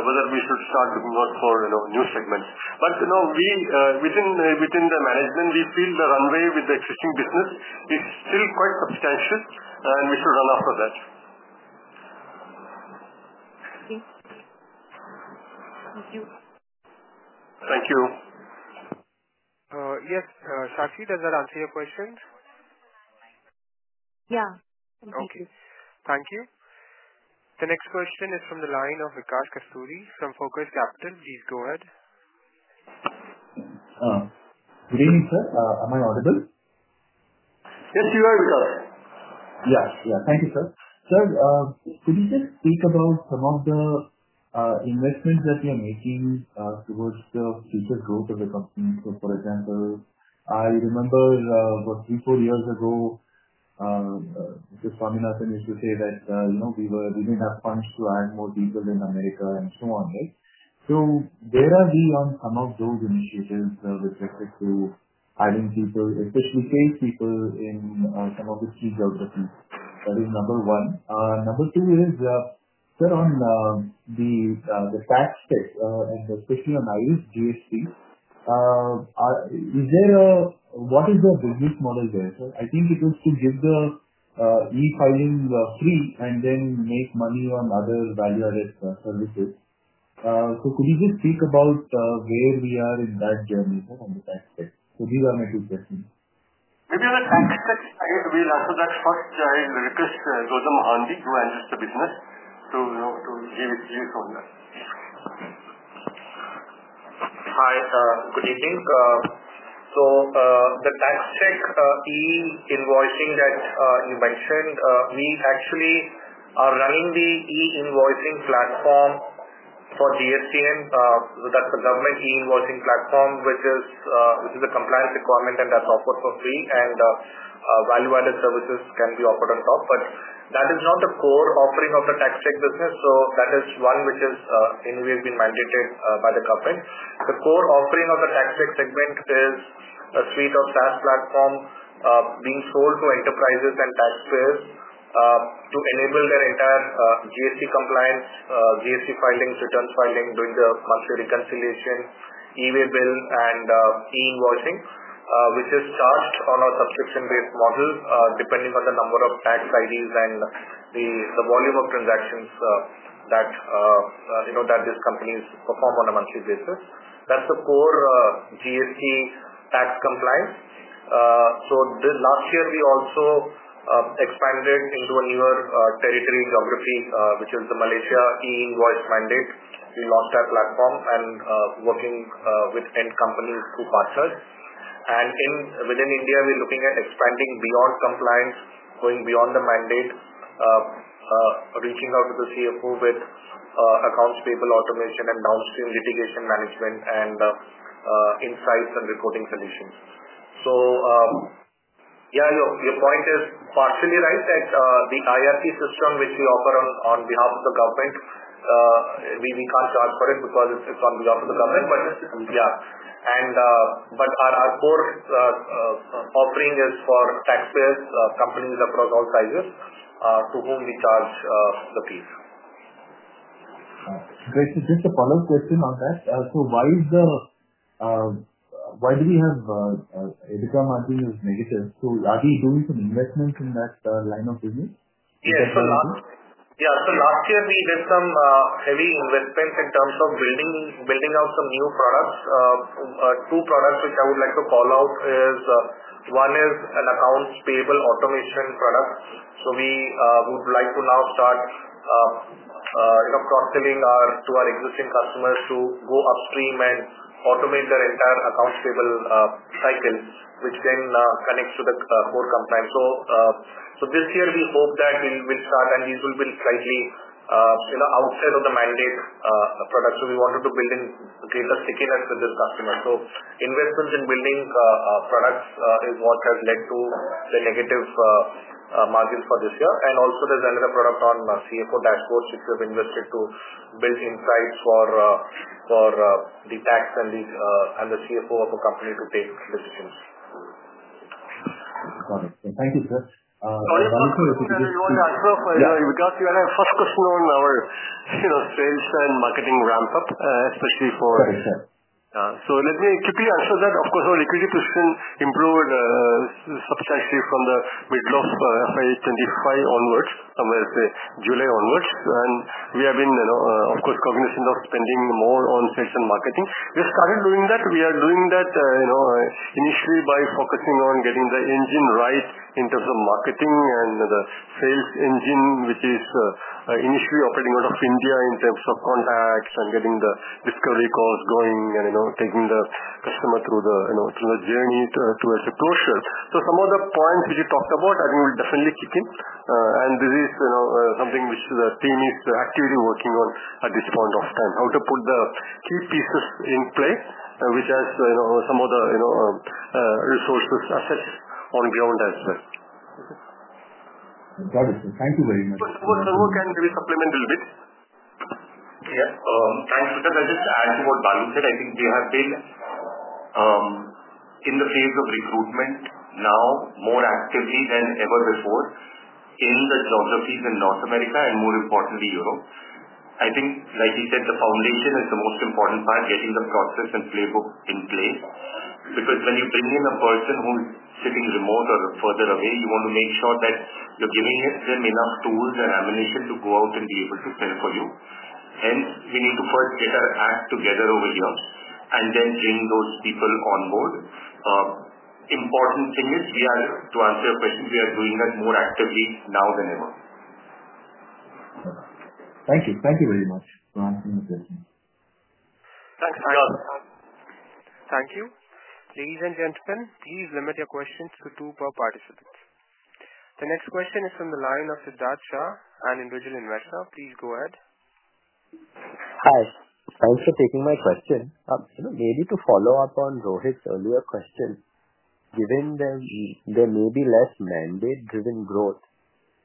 C: whether we should start looking out for new segments. Within the management, we feel the runway with the existing business is still quite substantial, and we should run after that.
L: Thank you.
C: Thank you.
B: Yes. Sakshi, does that answer your question?
L: Yeah. Thank you.
B: Okay. Thank you. The next question is from the line of Vikas Kasturi from Focus Capital. Please go ahead.
M: Good evening, sir. Am I audible?
C: Yes, you are, Vikas.
M: Yes. Yeah. Thank you, sir. Sir, could you just speak about some of the investments that we are making towards the future growth of the company? For example, I remember about three, four years ago, Mr. Swaminathan used to say that we did not have funds to add more people in America and so on. Where are we on some of those initiatives with respect to adding people, especially salespeople in some of the key geographies? That is number one. Number two is, sir, on the tax space, and especially on IRISGST, what is the business model there, sir? I think it is to give the e-filing free and then make money on other value-added services. Could you just speak about where we are in that journey on the tax space? These are my two questions.
C: Maybe on the tax space, I will answer that first. I will request Gautam Mahanti, who handles the business, to hear from that.
N: Hi. Good evening. The TaxTech e-invoicing that you mentioned, we actually are running the e-invoicing platform for GSTN. That is the government e-invoicing platform, which is a compliance requirement, and that is offered for free. Value-added services can be offered on top. That is not the core offering of the TaxTech business. That is one which has anyway been mandated by the government. The core offering of the TaxTech segment is a suite of SaaS platform being sold to enterprises and taxpayers to enable their entire GST compliance, GST filings, returns filing, doing the monthly reconciliation, e-waybill, and e-invoicing, which is charged on a subscription-based model depending on the number of tax IDs and the volume of transactions that these companies perform on a monthly basis. That is the core GST tax compliance. Last year, we also expanded into a newer territory geography, which is the Malaysia e-invoice mandate. We launched that platform and are working with end companies to partners. Within India, we're looking at expanding beyond compliance, going beyond the mandate, reaching out to the CFO with accounts payable automation and downstream litigation management and insights and reporting solutions. Yeah, your point is partially right that the IRT system, which we offer on behalf of the government, we can't charge for it because it's on behalf of the government. Yeah. Our core offering is for taxpayers, companies across all sizes, to whom we charge the fees.
M: Great. Just a follow-up question on that. Why do we have EBITDA margin is negative? Are we doing some investments in that line of business?
N: Yes. Last year, we did some heavy investments in terms of building out some new products. Two products which I would like to call out is one is an accounts payable automation product. We would like to now start cross-selling to our existing customers to go upstream and automate their entire accounts payable cycle, which then connects to the core compliance. This year, we hope that we will start, and these will be slightly outside of the mandate products. We wanted to build in greater stickiness with this customer. Investments in building products is what has led to the negative margins for this year. Also, there is another product on CFO dashboards, which we have invested to build insights for the tax and the CFO of a company to take decisions.
M: Got it. Thank you, sir.
C: Sorry, Rohit, you want to answer? Because you had a first question on our sales and marketing ramp-up, especially for.
M: Sorry, sir.
C: Let me quickly answer that. Of course, our liquidity position improved substantially from the middle of FY 2025 onwards, somewhere say July onwards. We have been, of course, cognizant of spending more on sales and marketing. We have started doing that. We are doing that initially by focusing on getting the engine right in terms of marketing and the sales engine, which is initially operating out of India in terms of contacts and getting the discovery calls going and taking the customer through the journey towards a brochure. Some of the points which you talked about, I think will definitely kick in. This is something which the team is actively working on at this point of time, how to put the key pieces in play, which has some of the resources assets on ground as well.
M: Got it. Thank you very much.
C: Servo, can we supplement a little bit?
G: Yeah. Thanks. Because I'll just add to what Balu said. I think we have been in the phase of recruitment now more actively than ever before in the geographies in North America and, more importantly, Europe. I think, like you said, the foundation is the most important part, getting the process and playbook in place. Because when you bring in a person who's sitting remote or further away, you want to make sure that you're giving them enough tools and ammunition to go out and be able to sell for you. Hence, we need to first get our act together over here and then bring those people on board. Important thing is, to answer your question, we are doing that more actively now than ever.
J: Thank you. Thank you very much for answering the question.
C: Thanks.
B: Thank you. Ladies and gentlemen, please limit your questions to two per participant. The next question is from the line of Siddhartha, an individual investor. Please go ahead.
J: Hi. Thanks for taking my question. Maybe to follow up on Rohit's earlier question, given there may be less mandate-driven growth,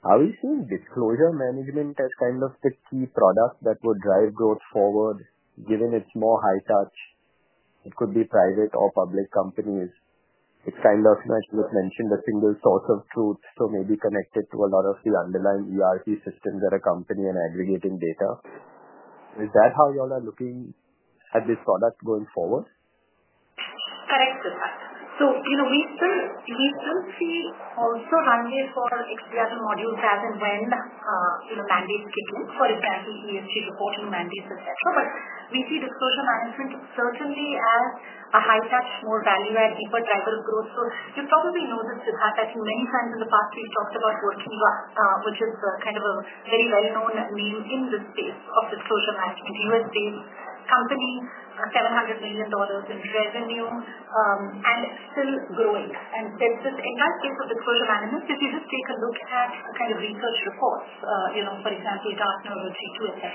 J: are we seeing disclosure management as kind of the key product that would drive growth forward, given it's more high-touch? It could be private or public companies. It's kind of, as you mentioned, a single source of truth, so maybe connected to a lot of the underlying ERP systems at a company and aggregating data. Is that how you all are looking at this product going forward?
F: Correct, Siddharth. We still see also runway for XBRL modules as and when mandates kick in, for example, ESG reporting mandates, etc. We see disclosure management certainly as a high-touch, more value-add, deeper driver of growth. You probably know this, Siddharth. I think many times in the past, we've talked about Workiva, which is kind of a very well-known name in the space of disclosure management, US-based company, $700 million in revenue, and still growing. This entire space of disclosure management, if you just take a look at kind of research reports, for example, Gartner or G2, etc.,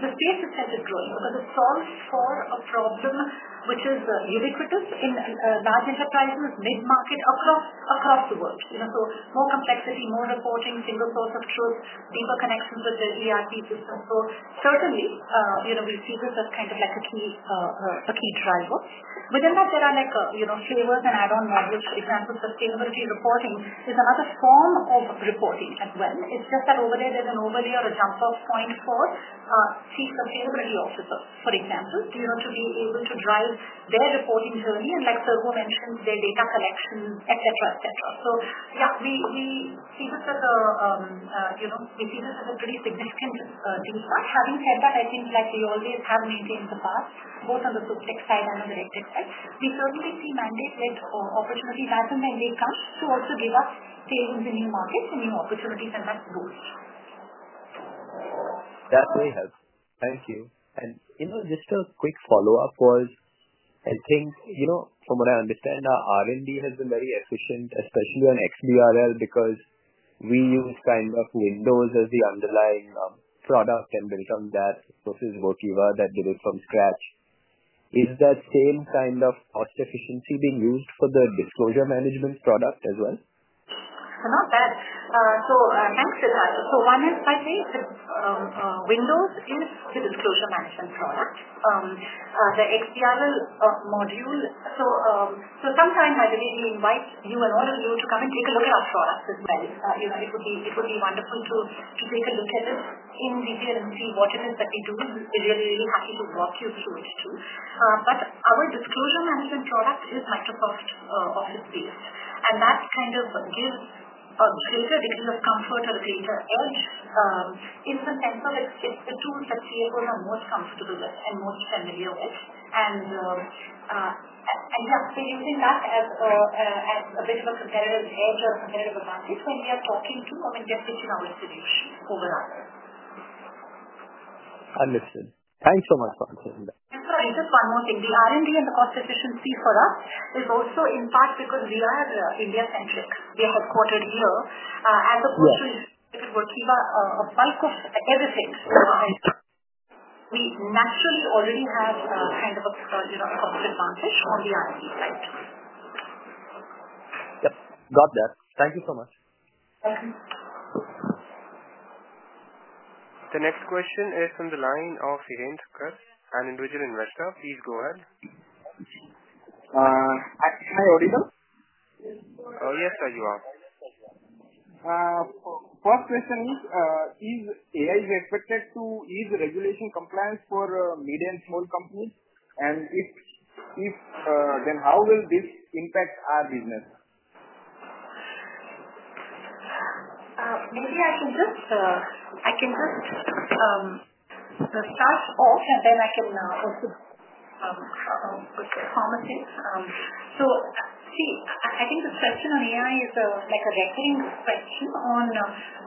F: the space itself is growing because it solves for a problem which is ubiquitous in large enterprises, mid-market, across the world. More complexity, more reporting, single source of truth, deeper connections with the ERP system. We see this as kind of like a key driver. Within that, there are flavors and add-on models. For example, sustainability reporting is another form of reporting as well. It's just that over there, there's an overlay or a jump-off point for Chief Sustainability Officers, for example, to be able to drive their reporting journey and, like Servo mentioned, their data collection, etc., etc. Yeah, we see this as a pretty significant deep dive. Having said that, I think we always have maintained the path, both on the tech side and on the RegTech side. We certainly see mandate-led opportunities as and when they come to also give us savings in new markets and new opportunities, and that's growth.
J: Definitely. Thank you. Just a quick follow-up was, I think, from what I understand, our R&D has been very efficient, especially on XBRL, because we use kind of Windows as the underlying product and built on that versus Workiva that did it from scratch. Is that same kind of cost efficiency being used for the disclosure management product as well?
F: Not bad. Thanks, Siddharth. One is, by the way, Windows is the disclosure management product. The XBRL module. Sometimes, I believe we invite you and all of you to come and take a look at our products as well. It would be wonderful to take a look at this in detail and see what it is that we do. We are really, really happy to walk you through it too. Our disclosure management product is Microsoft Office-based. That kind of gives a greater degree of comfort or a greater edge in the sense of it is the tools that CFOs are most comfortable with and most familiar with. We are using that as a bit of a competitive edge or a competitive advantage when we are talking to or when we are pitching our solution over others.
J: Understood. Thanks so much for answering that.
F: Sorry, just one more thing. The R&D and the cost efficiency for us is also in part because we are India-centric. We are headquartered here. As opposed to, if it were Workiva, a bulk of everything. We naturally already have kind of a cost advantage on the R&D side.
J: Yep. Got that. Thank you so much.
B: The next question is from the line of Hireendkar, an Individual Investor. Please go ahead.
F: Hi, am I audible?
B: Yes, sir, you are.
J: First question is, is AI expected to ease regulation compliance for mid and small companies? If so, then how will this impact our business?
F: Maybe I can just start off, and then I can also comment in. See, I think this question on AI is like a recurring question on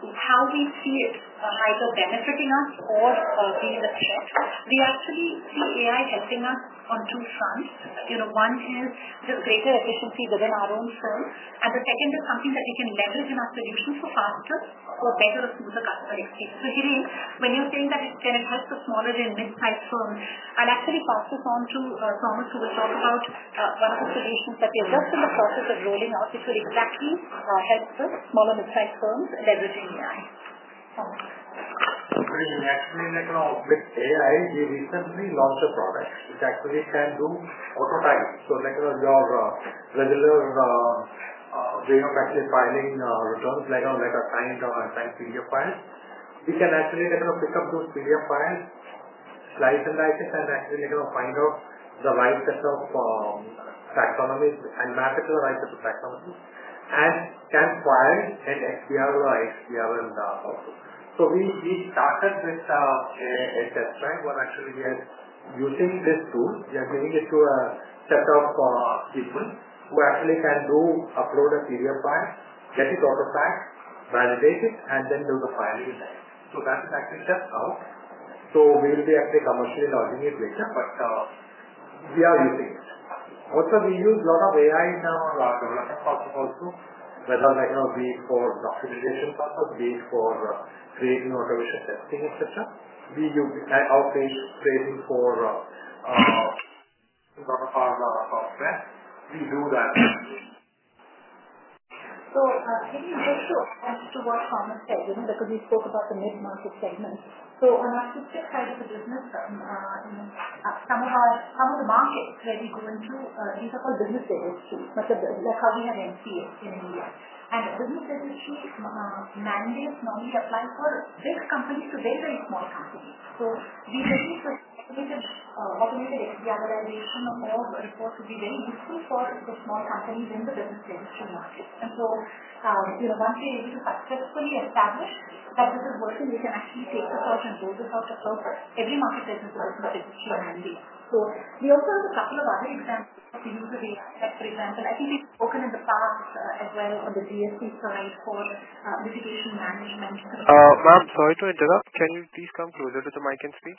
F: how we see it either benefiting us or being a threat. We actually see AI helping us on two fronts. One is just greater efficiency within our own firm. The second is something that we can leverage in our solutions for faster or better or smoother customer experience. Hireend, when you're saying that it can help the smaller and mid-sized firms, I'll actually pass this on to Thomas who will talk about one of the solutions that we are just in the process of rolling out, which will exactly help the small and mid-sized firms leveraging AI.
O: Actually, with AI, we recently launched a product which actually can do auto tagging. Your regular way of actually filing returns, like a signed or a signed PDF file, we can actually pick up those PDF files, slice and dice it, and actually find out the right set of taxonomies and map it to the right set of taxonomies and can file an XBRL or XBRM also. We started with a test drive where actually we are using this tool. We are giving it to a set of people who actually can do upload a PDF file, get it auto tagged, validate it, and then do the filing there. That is actually tested out. We will be actually commercially launching it later, but we are using it. Also, we use a lot of AI in our development process also, whether we use it for documentation purpose, we use it for creating automation testing, etc. We use outpace training for a lot of our software. We do that.
F: Hireend, just to add to what Thomas said, because we spoke about the mid-market segment. On our specific side of the business, some of the markets where we go into, these are called business registries, like how we have MCA in India. Business registry mandates normally apply for big companies to very, very small companies. We believe that automated XBRLization of reports would be very useful for the small companies in the business registry market. Once we are able to successfully establish that this is working, we can actually take the first and build this out to purpose. Every marketplace has a business registry mandate. We also have a couple of other examples to use with AI, like for example, I think we have spoken in the past as well on the GST side for mitigation management.
B: Ma'am, sorry to interrupt. Can you please come closer to the mic and speak?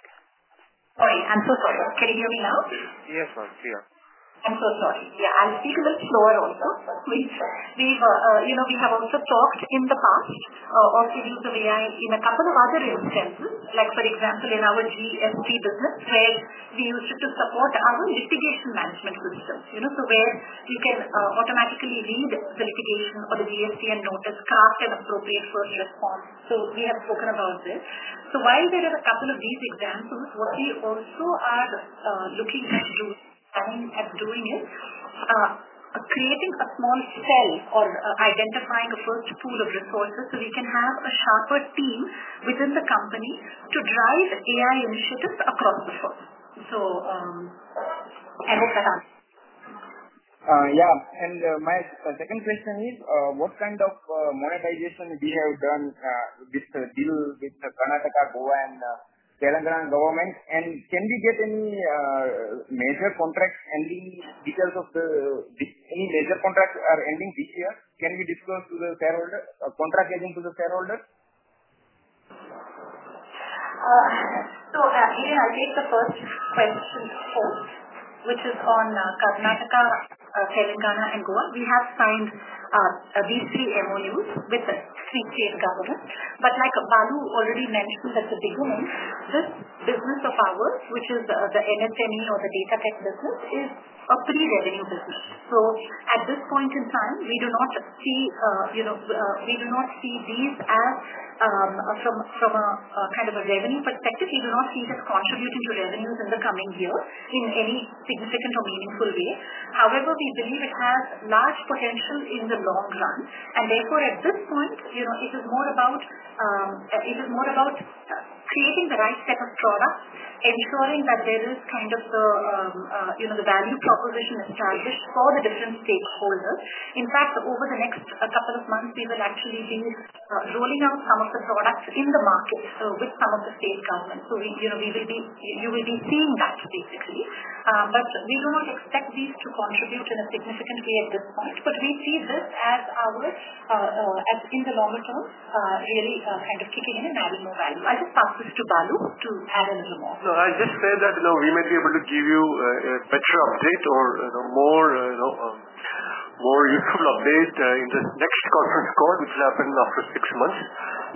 F: Oh, I'm so sorry. Can you hear me now?
J: Yes, ma'am. Clear.
F: I'm so sorry. Yeah, I'll speak a little slower also. We have also talked in the past of the use of AI in a couple of other instances, like for example, in our GST business where we used it to support our mitigation management system. Where you can automatically read the litigation or the GSTN notice, craft an appropriate first response. We have spoken about this. While there are a couple of these examples, what we also are looking at doing is creating a small cell or identifying a first pool of resources so we can have a sharper team within the company to drive AI initiatives across the firm. I hope that answers your question.
J: Yeah. My second question is, what kind of monetization have we done with Karnataka, Goa, and Telangana government? Can we get any major contracts ending because of the—any major contracts are ending this year? Can we disclose to the shareholder or contract-aging to the shareholder?
F: Hireend, I'll take the first question first, which is on Karnataka, Telangana, and Goa. We have signed these three MOUs with the three state governments. Like Balu already mentioned at the beginning, this business of ours, which is the MSME or the data tech business, is a pre-revenue business. At this point in time, we do not see these as, from a kind of a revenue perspective, contributing to revenues in the coming year in any significant or meaningful way. However, we believe it has large potential in the long run. Therefore, at this point, it is more about creating the right set of products, ensuring that there is kind of the value proposition established for the different stakeholders. In fact, over the next couple of months, we will actually be rolling out some of the products in the market with some of the state governments. You will be seeing that, basically. We do not expect these to contribute in a significant way at this point. We see this as our in the longer term, really kind of kicking in and adding more value. I'll just pass this to Balu to add a little more.
C: I just said that we might be able to give you a better update or more useful update in this next conference call, which will happen after six months,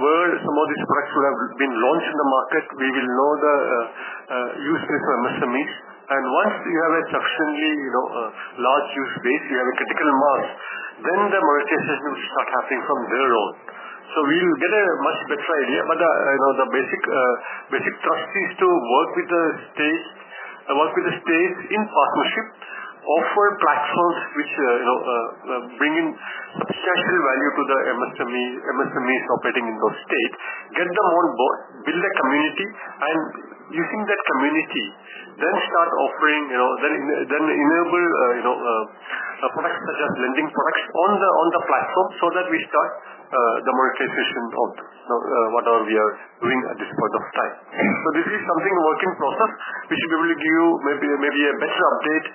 C: where some of these products will have been launched in the market. We will know the use case for MSMEs. And once you have a sufficiently large use base, you have a critical mass, then the monetization will start happening from there on. We'll get a much better idea. The basic thrust is to work with the states in partnership, offer platforms which bring in substantial value to the MSMEs operating in those states, get them on board, build a community, and using that community, then start offering, then enable products such as lending products on the platform so that we start the monetization of whatever we are doing at this point of time. This is something work in process. We should be able to give you maybe a better update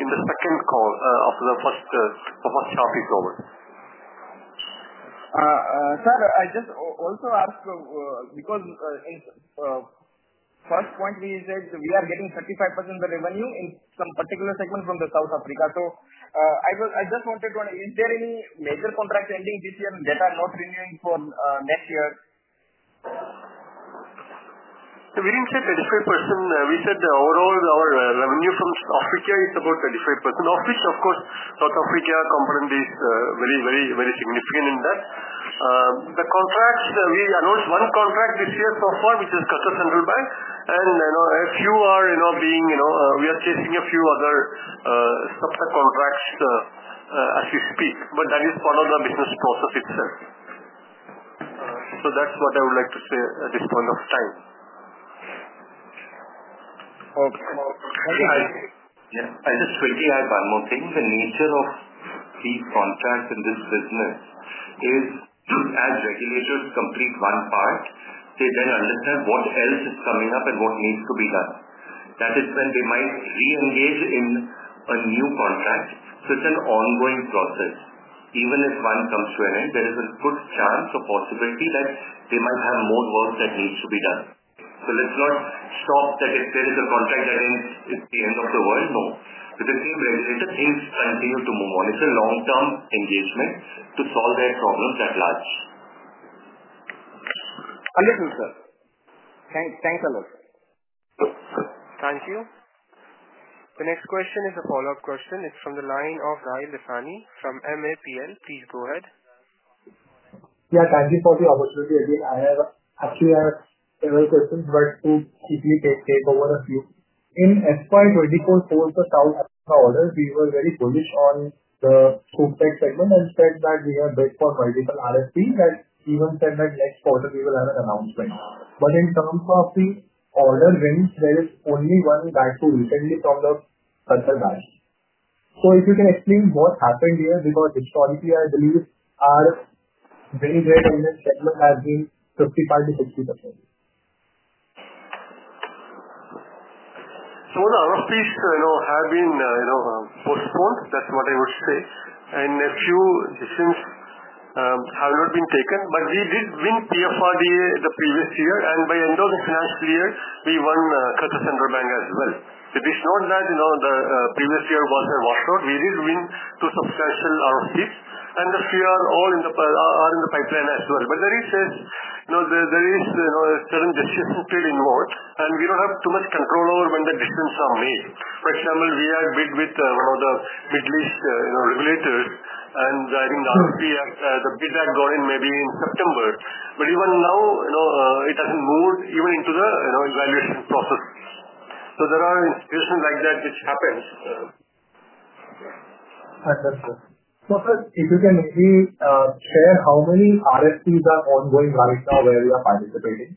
C: in the second call after the first half is over.
J: Sir, I just also ask because first point we said we are getting 35% of the revenue in some particular segment from South Africa. I just wanted to know, is there any major contracts ending this year that are not renewing for next year?
C: We did not say 35%. We said overall our revenue from South Africa is about 35%, of which, of course, the South Africa component is very, very significant in that. The contracts, we announced one contract this year so far, which is Qatar Central Bank. A few are being, we are chasing a few other subcontracts as we speak. That is part of the business process itself. That is what I would like to say at this point of time.
G: Okay. I just quickly add one more thing. The nature of these contracts in this business is, as regulators complete one part, they then understand what else is coming up and what needs to be done. That is when they might re-engage in a new contract. It is an ongoing process. Even if one comes to an end, there is a good chance or possibility that they might have more work that needs to be done. Let's not stop that if there is a contract, that then it's the end of the world. No. With the same regulator, things continue to move on. It is a long-term engagement to solve their problems at large.
D: Thanks alot.
B: Thank you. The next question is a follow-up question. It's from the line of Rahil Dasani from MAPL. Please go ahead.
E: Yeah, thank you for the opportunity. Again, I have actually several questions, but to quickly take over a few. In SY24 for the South Africa order, we were very bullish on the SupTech segment and said that we are built for multiple RFPs and even said that next quarter we will have an announcement. In terms of the order wins, there is only one guy who recently from the Qatar Central Bank. If you can explain what happened here because historically, I believe, our very great segment has been 55%-60%.
C: The RFPs have been postponed. That is what I would say. A few decisions have not been taken. We did win PFRDA the previous year. By end of the financial year, we won Qatar Central Bank as well. It is not that the previous year was a washout. We did win two substantial RFPs. A few are all in the pipeline as well. There is a certain decision field involved. We do not have too much control over when the decisions are made. For example, we are bid with one of the Middle East regulators. I think the RFP, the bid had gone in maybe in September. Even now, it has not moved even into the evaluation process. There are institutions like that which happen.
E: Understood. Sir, if you can maybe share how many RFPs are ongoing right now where we are participating?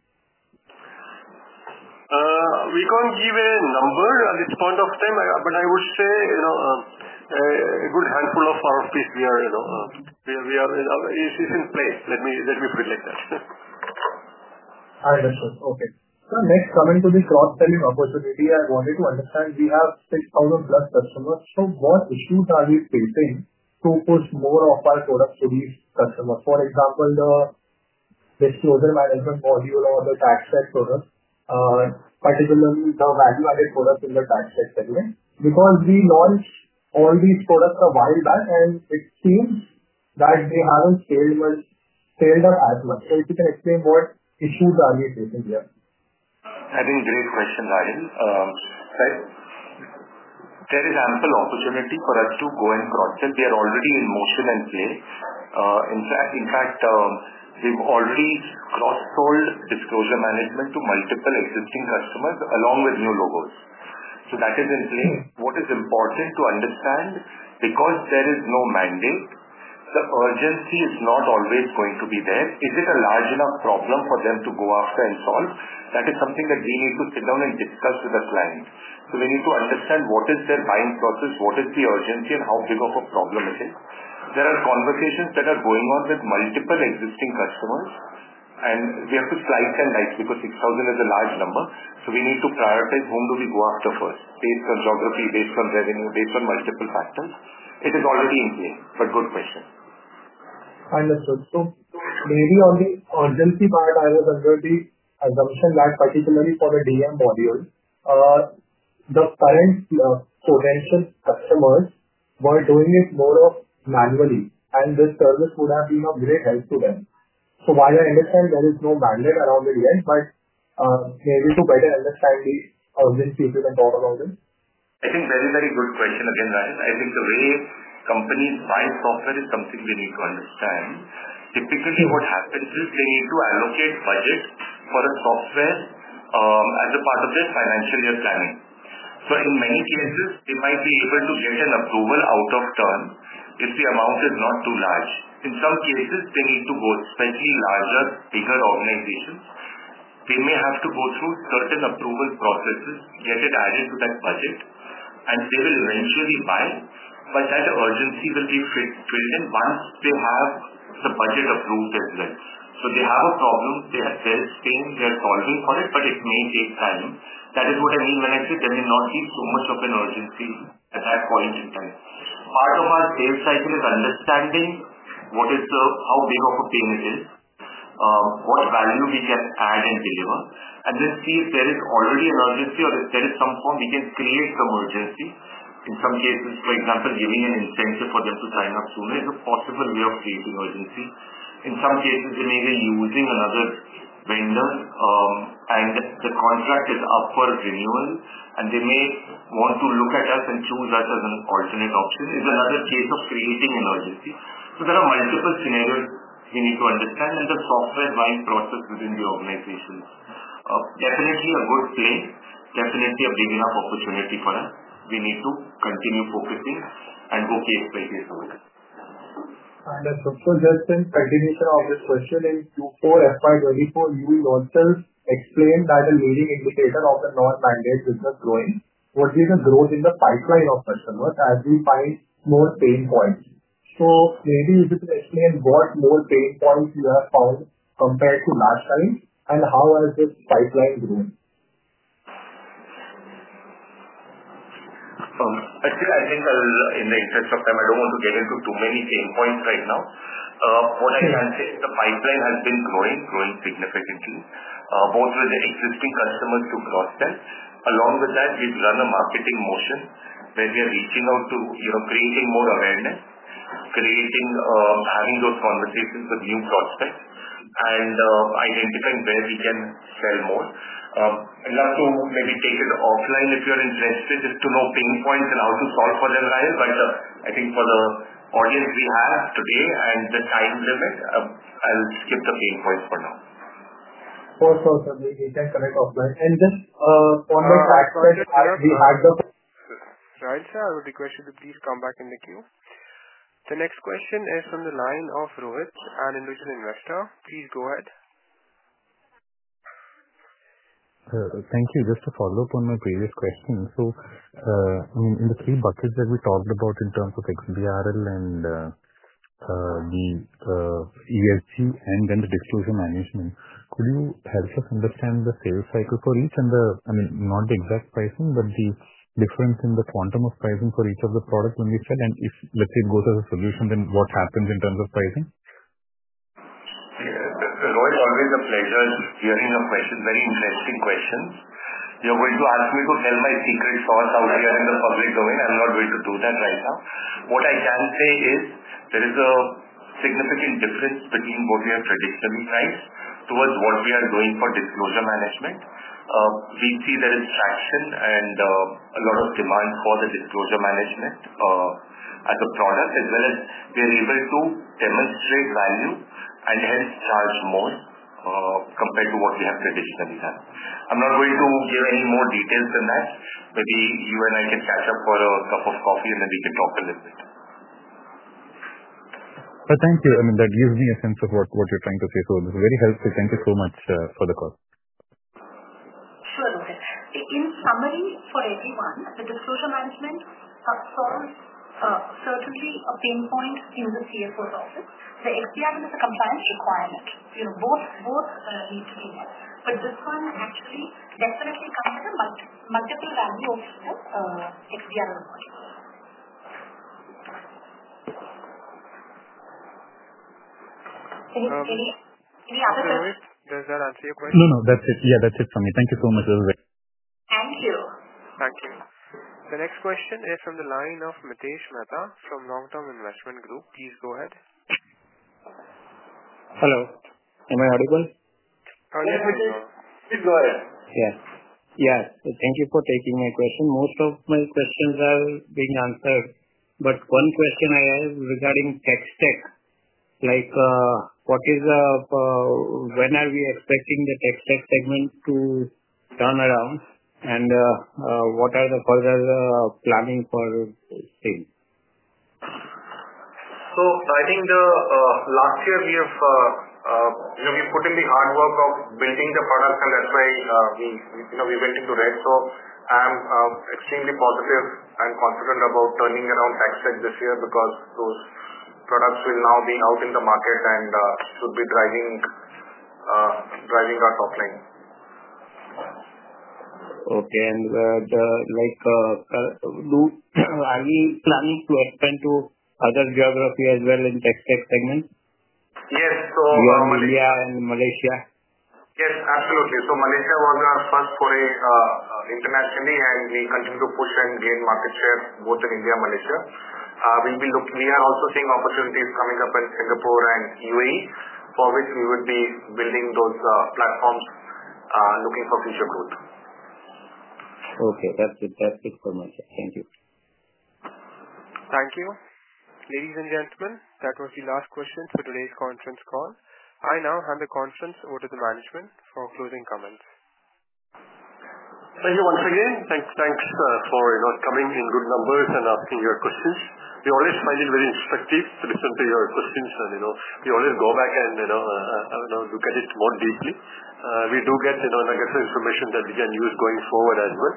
C: We can't give a number at this point of time. I would say a good handful of RFPs we are in place. Let me put it like that.
E: Understood. Okay. Next, coming to the cross-selling opportunity, I wanted to understand. We have 6,000+ customers. What issues are we facing to push more of our products to these customers? For example, the disclosure management module or the TaxTech products, particularly the value-added products in the TaxTech segment. We launched all these products a while back, and it seems that they have not scaled up as much. If you can explain what issues are we facing here.
O: I think great question, Rahil. There is ample opportunity for us to go and cross-sell. We are already in motion and play. In fact, we've already cross-sold disclosure management to multiple existing customers along with new logos. That is in place. What is important to understand, because there is no mandate, the urgency is not always going to be there. Is it a large enough problem for them to go after and solve? That is something that we need to sit down and discuss with the client. We need to understand what is their buying process, what is the urgency, and how big of a problem it is. There are conversations that are going on with multiple existing customers. We have to slice and dice because 6,000 is a large number. We need to prioritize whom do we go after first, based on geography, based on revenue, based on multiple factors. It is already in play. Good question.
E: Understood. Maybe on the urgency part, I was under the assumption that particularly for the DM module, the current potential customers were doing it more manually. This service would have been of great help to them. While I understand there is no mandate around it yet, maybe to better understand the urgency if you can talk about it.
O: I think very, very good question again, Rahil. I think the way companies buy software is something they need to understand. Typically, what happens is they need to allocate budget for a software as a part of their financial year planning. In many cases, they might be able to get an approval out of turn if the amount is not too large. In some cases, they need to go, especially larger, bigger organizations. They may have to go through certain approval processes, get it added to that budget, and they will eventually buy. That urgency will be filled in once they have the budget approved as well. They have a problem. They're staying. They're solving for it, but it may take time. That is what I mean when I say they may not see so much of an urgency at that point in time. Part of our sales cycle is understanding how big of a pain it is, what value we can add and deliver, and then see if there is already an urgency or if there is some form we can create some urgency. In some cases, for example, giving an incentive for them to sign up sooner is a possible way of creating urgency. In some cases, they may be using another vendor, and the contract is up for renewal, and they may want to look at us and choose us as an alternate option. It's another case of creating an urgency. There are multiple scenarios we need to understand and the software buying process within the organizations. Definitely a good place. Definitely a big enough opportunity for us. We need to continue focusing and go case by case over it.
E: Understood. Just in continuation of this question, in Q4, SY24, you also explained that a leading indicator of a non-mandate business growing would be the growth in the pipeline of customers as we find more pain points. Maybe if you can explain what more pain points you have found compared to last time and how has this pipeline grown?
O: I think in the interest of time, I don't want to get into too many pain points right now. What I can say is the pipeline has been growing, growing significantly, both with the existing customers to cross-sell. Along with that, we've run a marketing motion where we are reaching out to creating more awareness, having those conversations with new prospects, and identifying where we can sell more. I'd love to maybe take it offline if you're interested just to know pain points and how to solve for them, Rahil. I think for the audience we have today and the time limit, I'll skip the pain points for now.
E: Of course, sir. We can connect offline. Just on the track that we had the.
B: Right. Sir, I would request you to please come back in the queue. The next question is from the line of Rohit, an individual investor. Please go ahead.
J: Thank you. Just to follow up on my previous question. I mean, in the three buckets that we talked about in terms of XBRL and the ESG and then the disclosure management, could you help us understand the sales cycle for each and the, I mean, not the exact pricing, but the difference in the quantum of pricing for each of the products when we sell? If, let's say, it goes as a solution, then what happens in terms of pricing?
O: It's always a pleasure hearing your questions, very interesting questions. You're going to ask me to tell my secret sauce out here in the public domain. I'm not going to do that right now. What I can say is there is a significant difference between what we have traditionally priced towards what we are doing for disclosure management. We see there is traction and a lot of demand for the disclosure management as a product, as well as we are able to demonstrate value and hence charge more compared to what we have traditionally done. I'm not going to give any more details than that. Maybe you and I can catch up for a cup of coffee, and then we can talk a little bit.
J: Thank you. I mean, that gives me a sense of what you're trying to say. So this is very helpful. Thank you so much for the call.
F: Sure, Rohit. In summary, for everyone, the disclosure management solves certainly a pain point in the CFO's office. The XBRL is a compliance requirement. Both need to be met. This one actually definitely comes at a multiple value of the XBRL module. Any other questions?
B: Rohit, does that answer your question?
J: No, no. That's it. Yeah, that's it from me. Thank you so much.
B: Thank you. The next question is from the line of Mitesh Mehta from Long-Term Investment Group. Please go ahead.
P: Hello. Am I audible?.
C: Please go ahead.
P: Yeah. Yeah. Thank you for taking my question. Most of my questions are being answered. One question I have regarding tech stack. Like what is the when are we expecting the tech stack segment to turn around? What are the further planning for things?
C: I think last year we have put in the hard work of building the products, and that's why we went into red. I'm extremely positive and confident about turning around tech stack this year because those products will now be out in the market and should be driving our top line.
P: Okay. Are we planning to expand to other geographies as well in TaxTech segment?
J: Yes. So India. India and Malaysia?
C: Yes, absolutely. Malaysia was our first foray internationally, and we continue to push and gain market share both in India and Malaysia. We are also seeing opportunities coming up in Singapore and UAE, for which we would be building those platforms looking for future growth.
P: Okay. That's it for my side. Thank you.
B: Thank you. Ladies and gentlemen, that was the last question for today's conference call. I now hand the conference over to the management for closing comments.
C: Thank you once again. Thanks for coming in good numbers and asking your questions. We always find it very instructive to listen to your questions. We always go back and look at it more deeply. We do get an aggressive information that we can use going forward as well.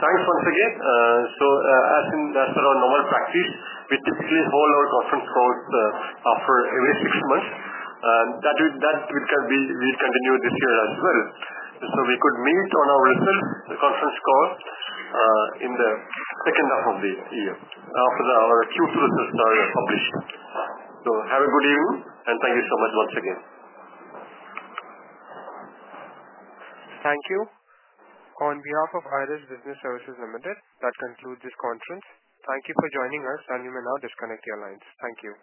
C: Thank you once again. As per our normal practice, we typically hold our conference calls after every six months. That will continue this year as well. We could meet on our results conference call in the second half of the year after our Q2 results are published. Have a good evening, and thank you so much once again.
B: Thank you. On behalf of IRIS Business Services Limited, that concludes this conference. Thank you for joining us, and you may now disconnect your lines. Thank you.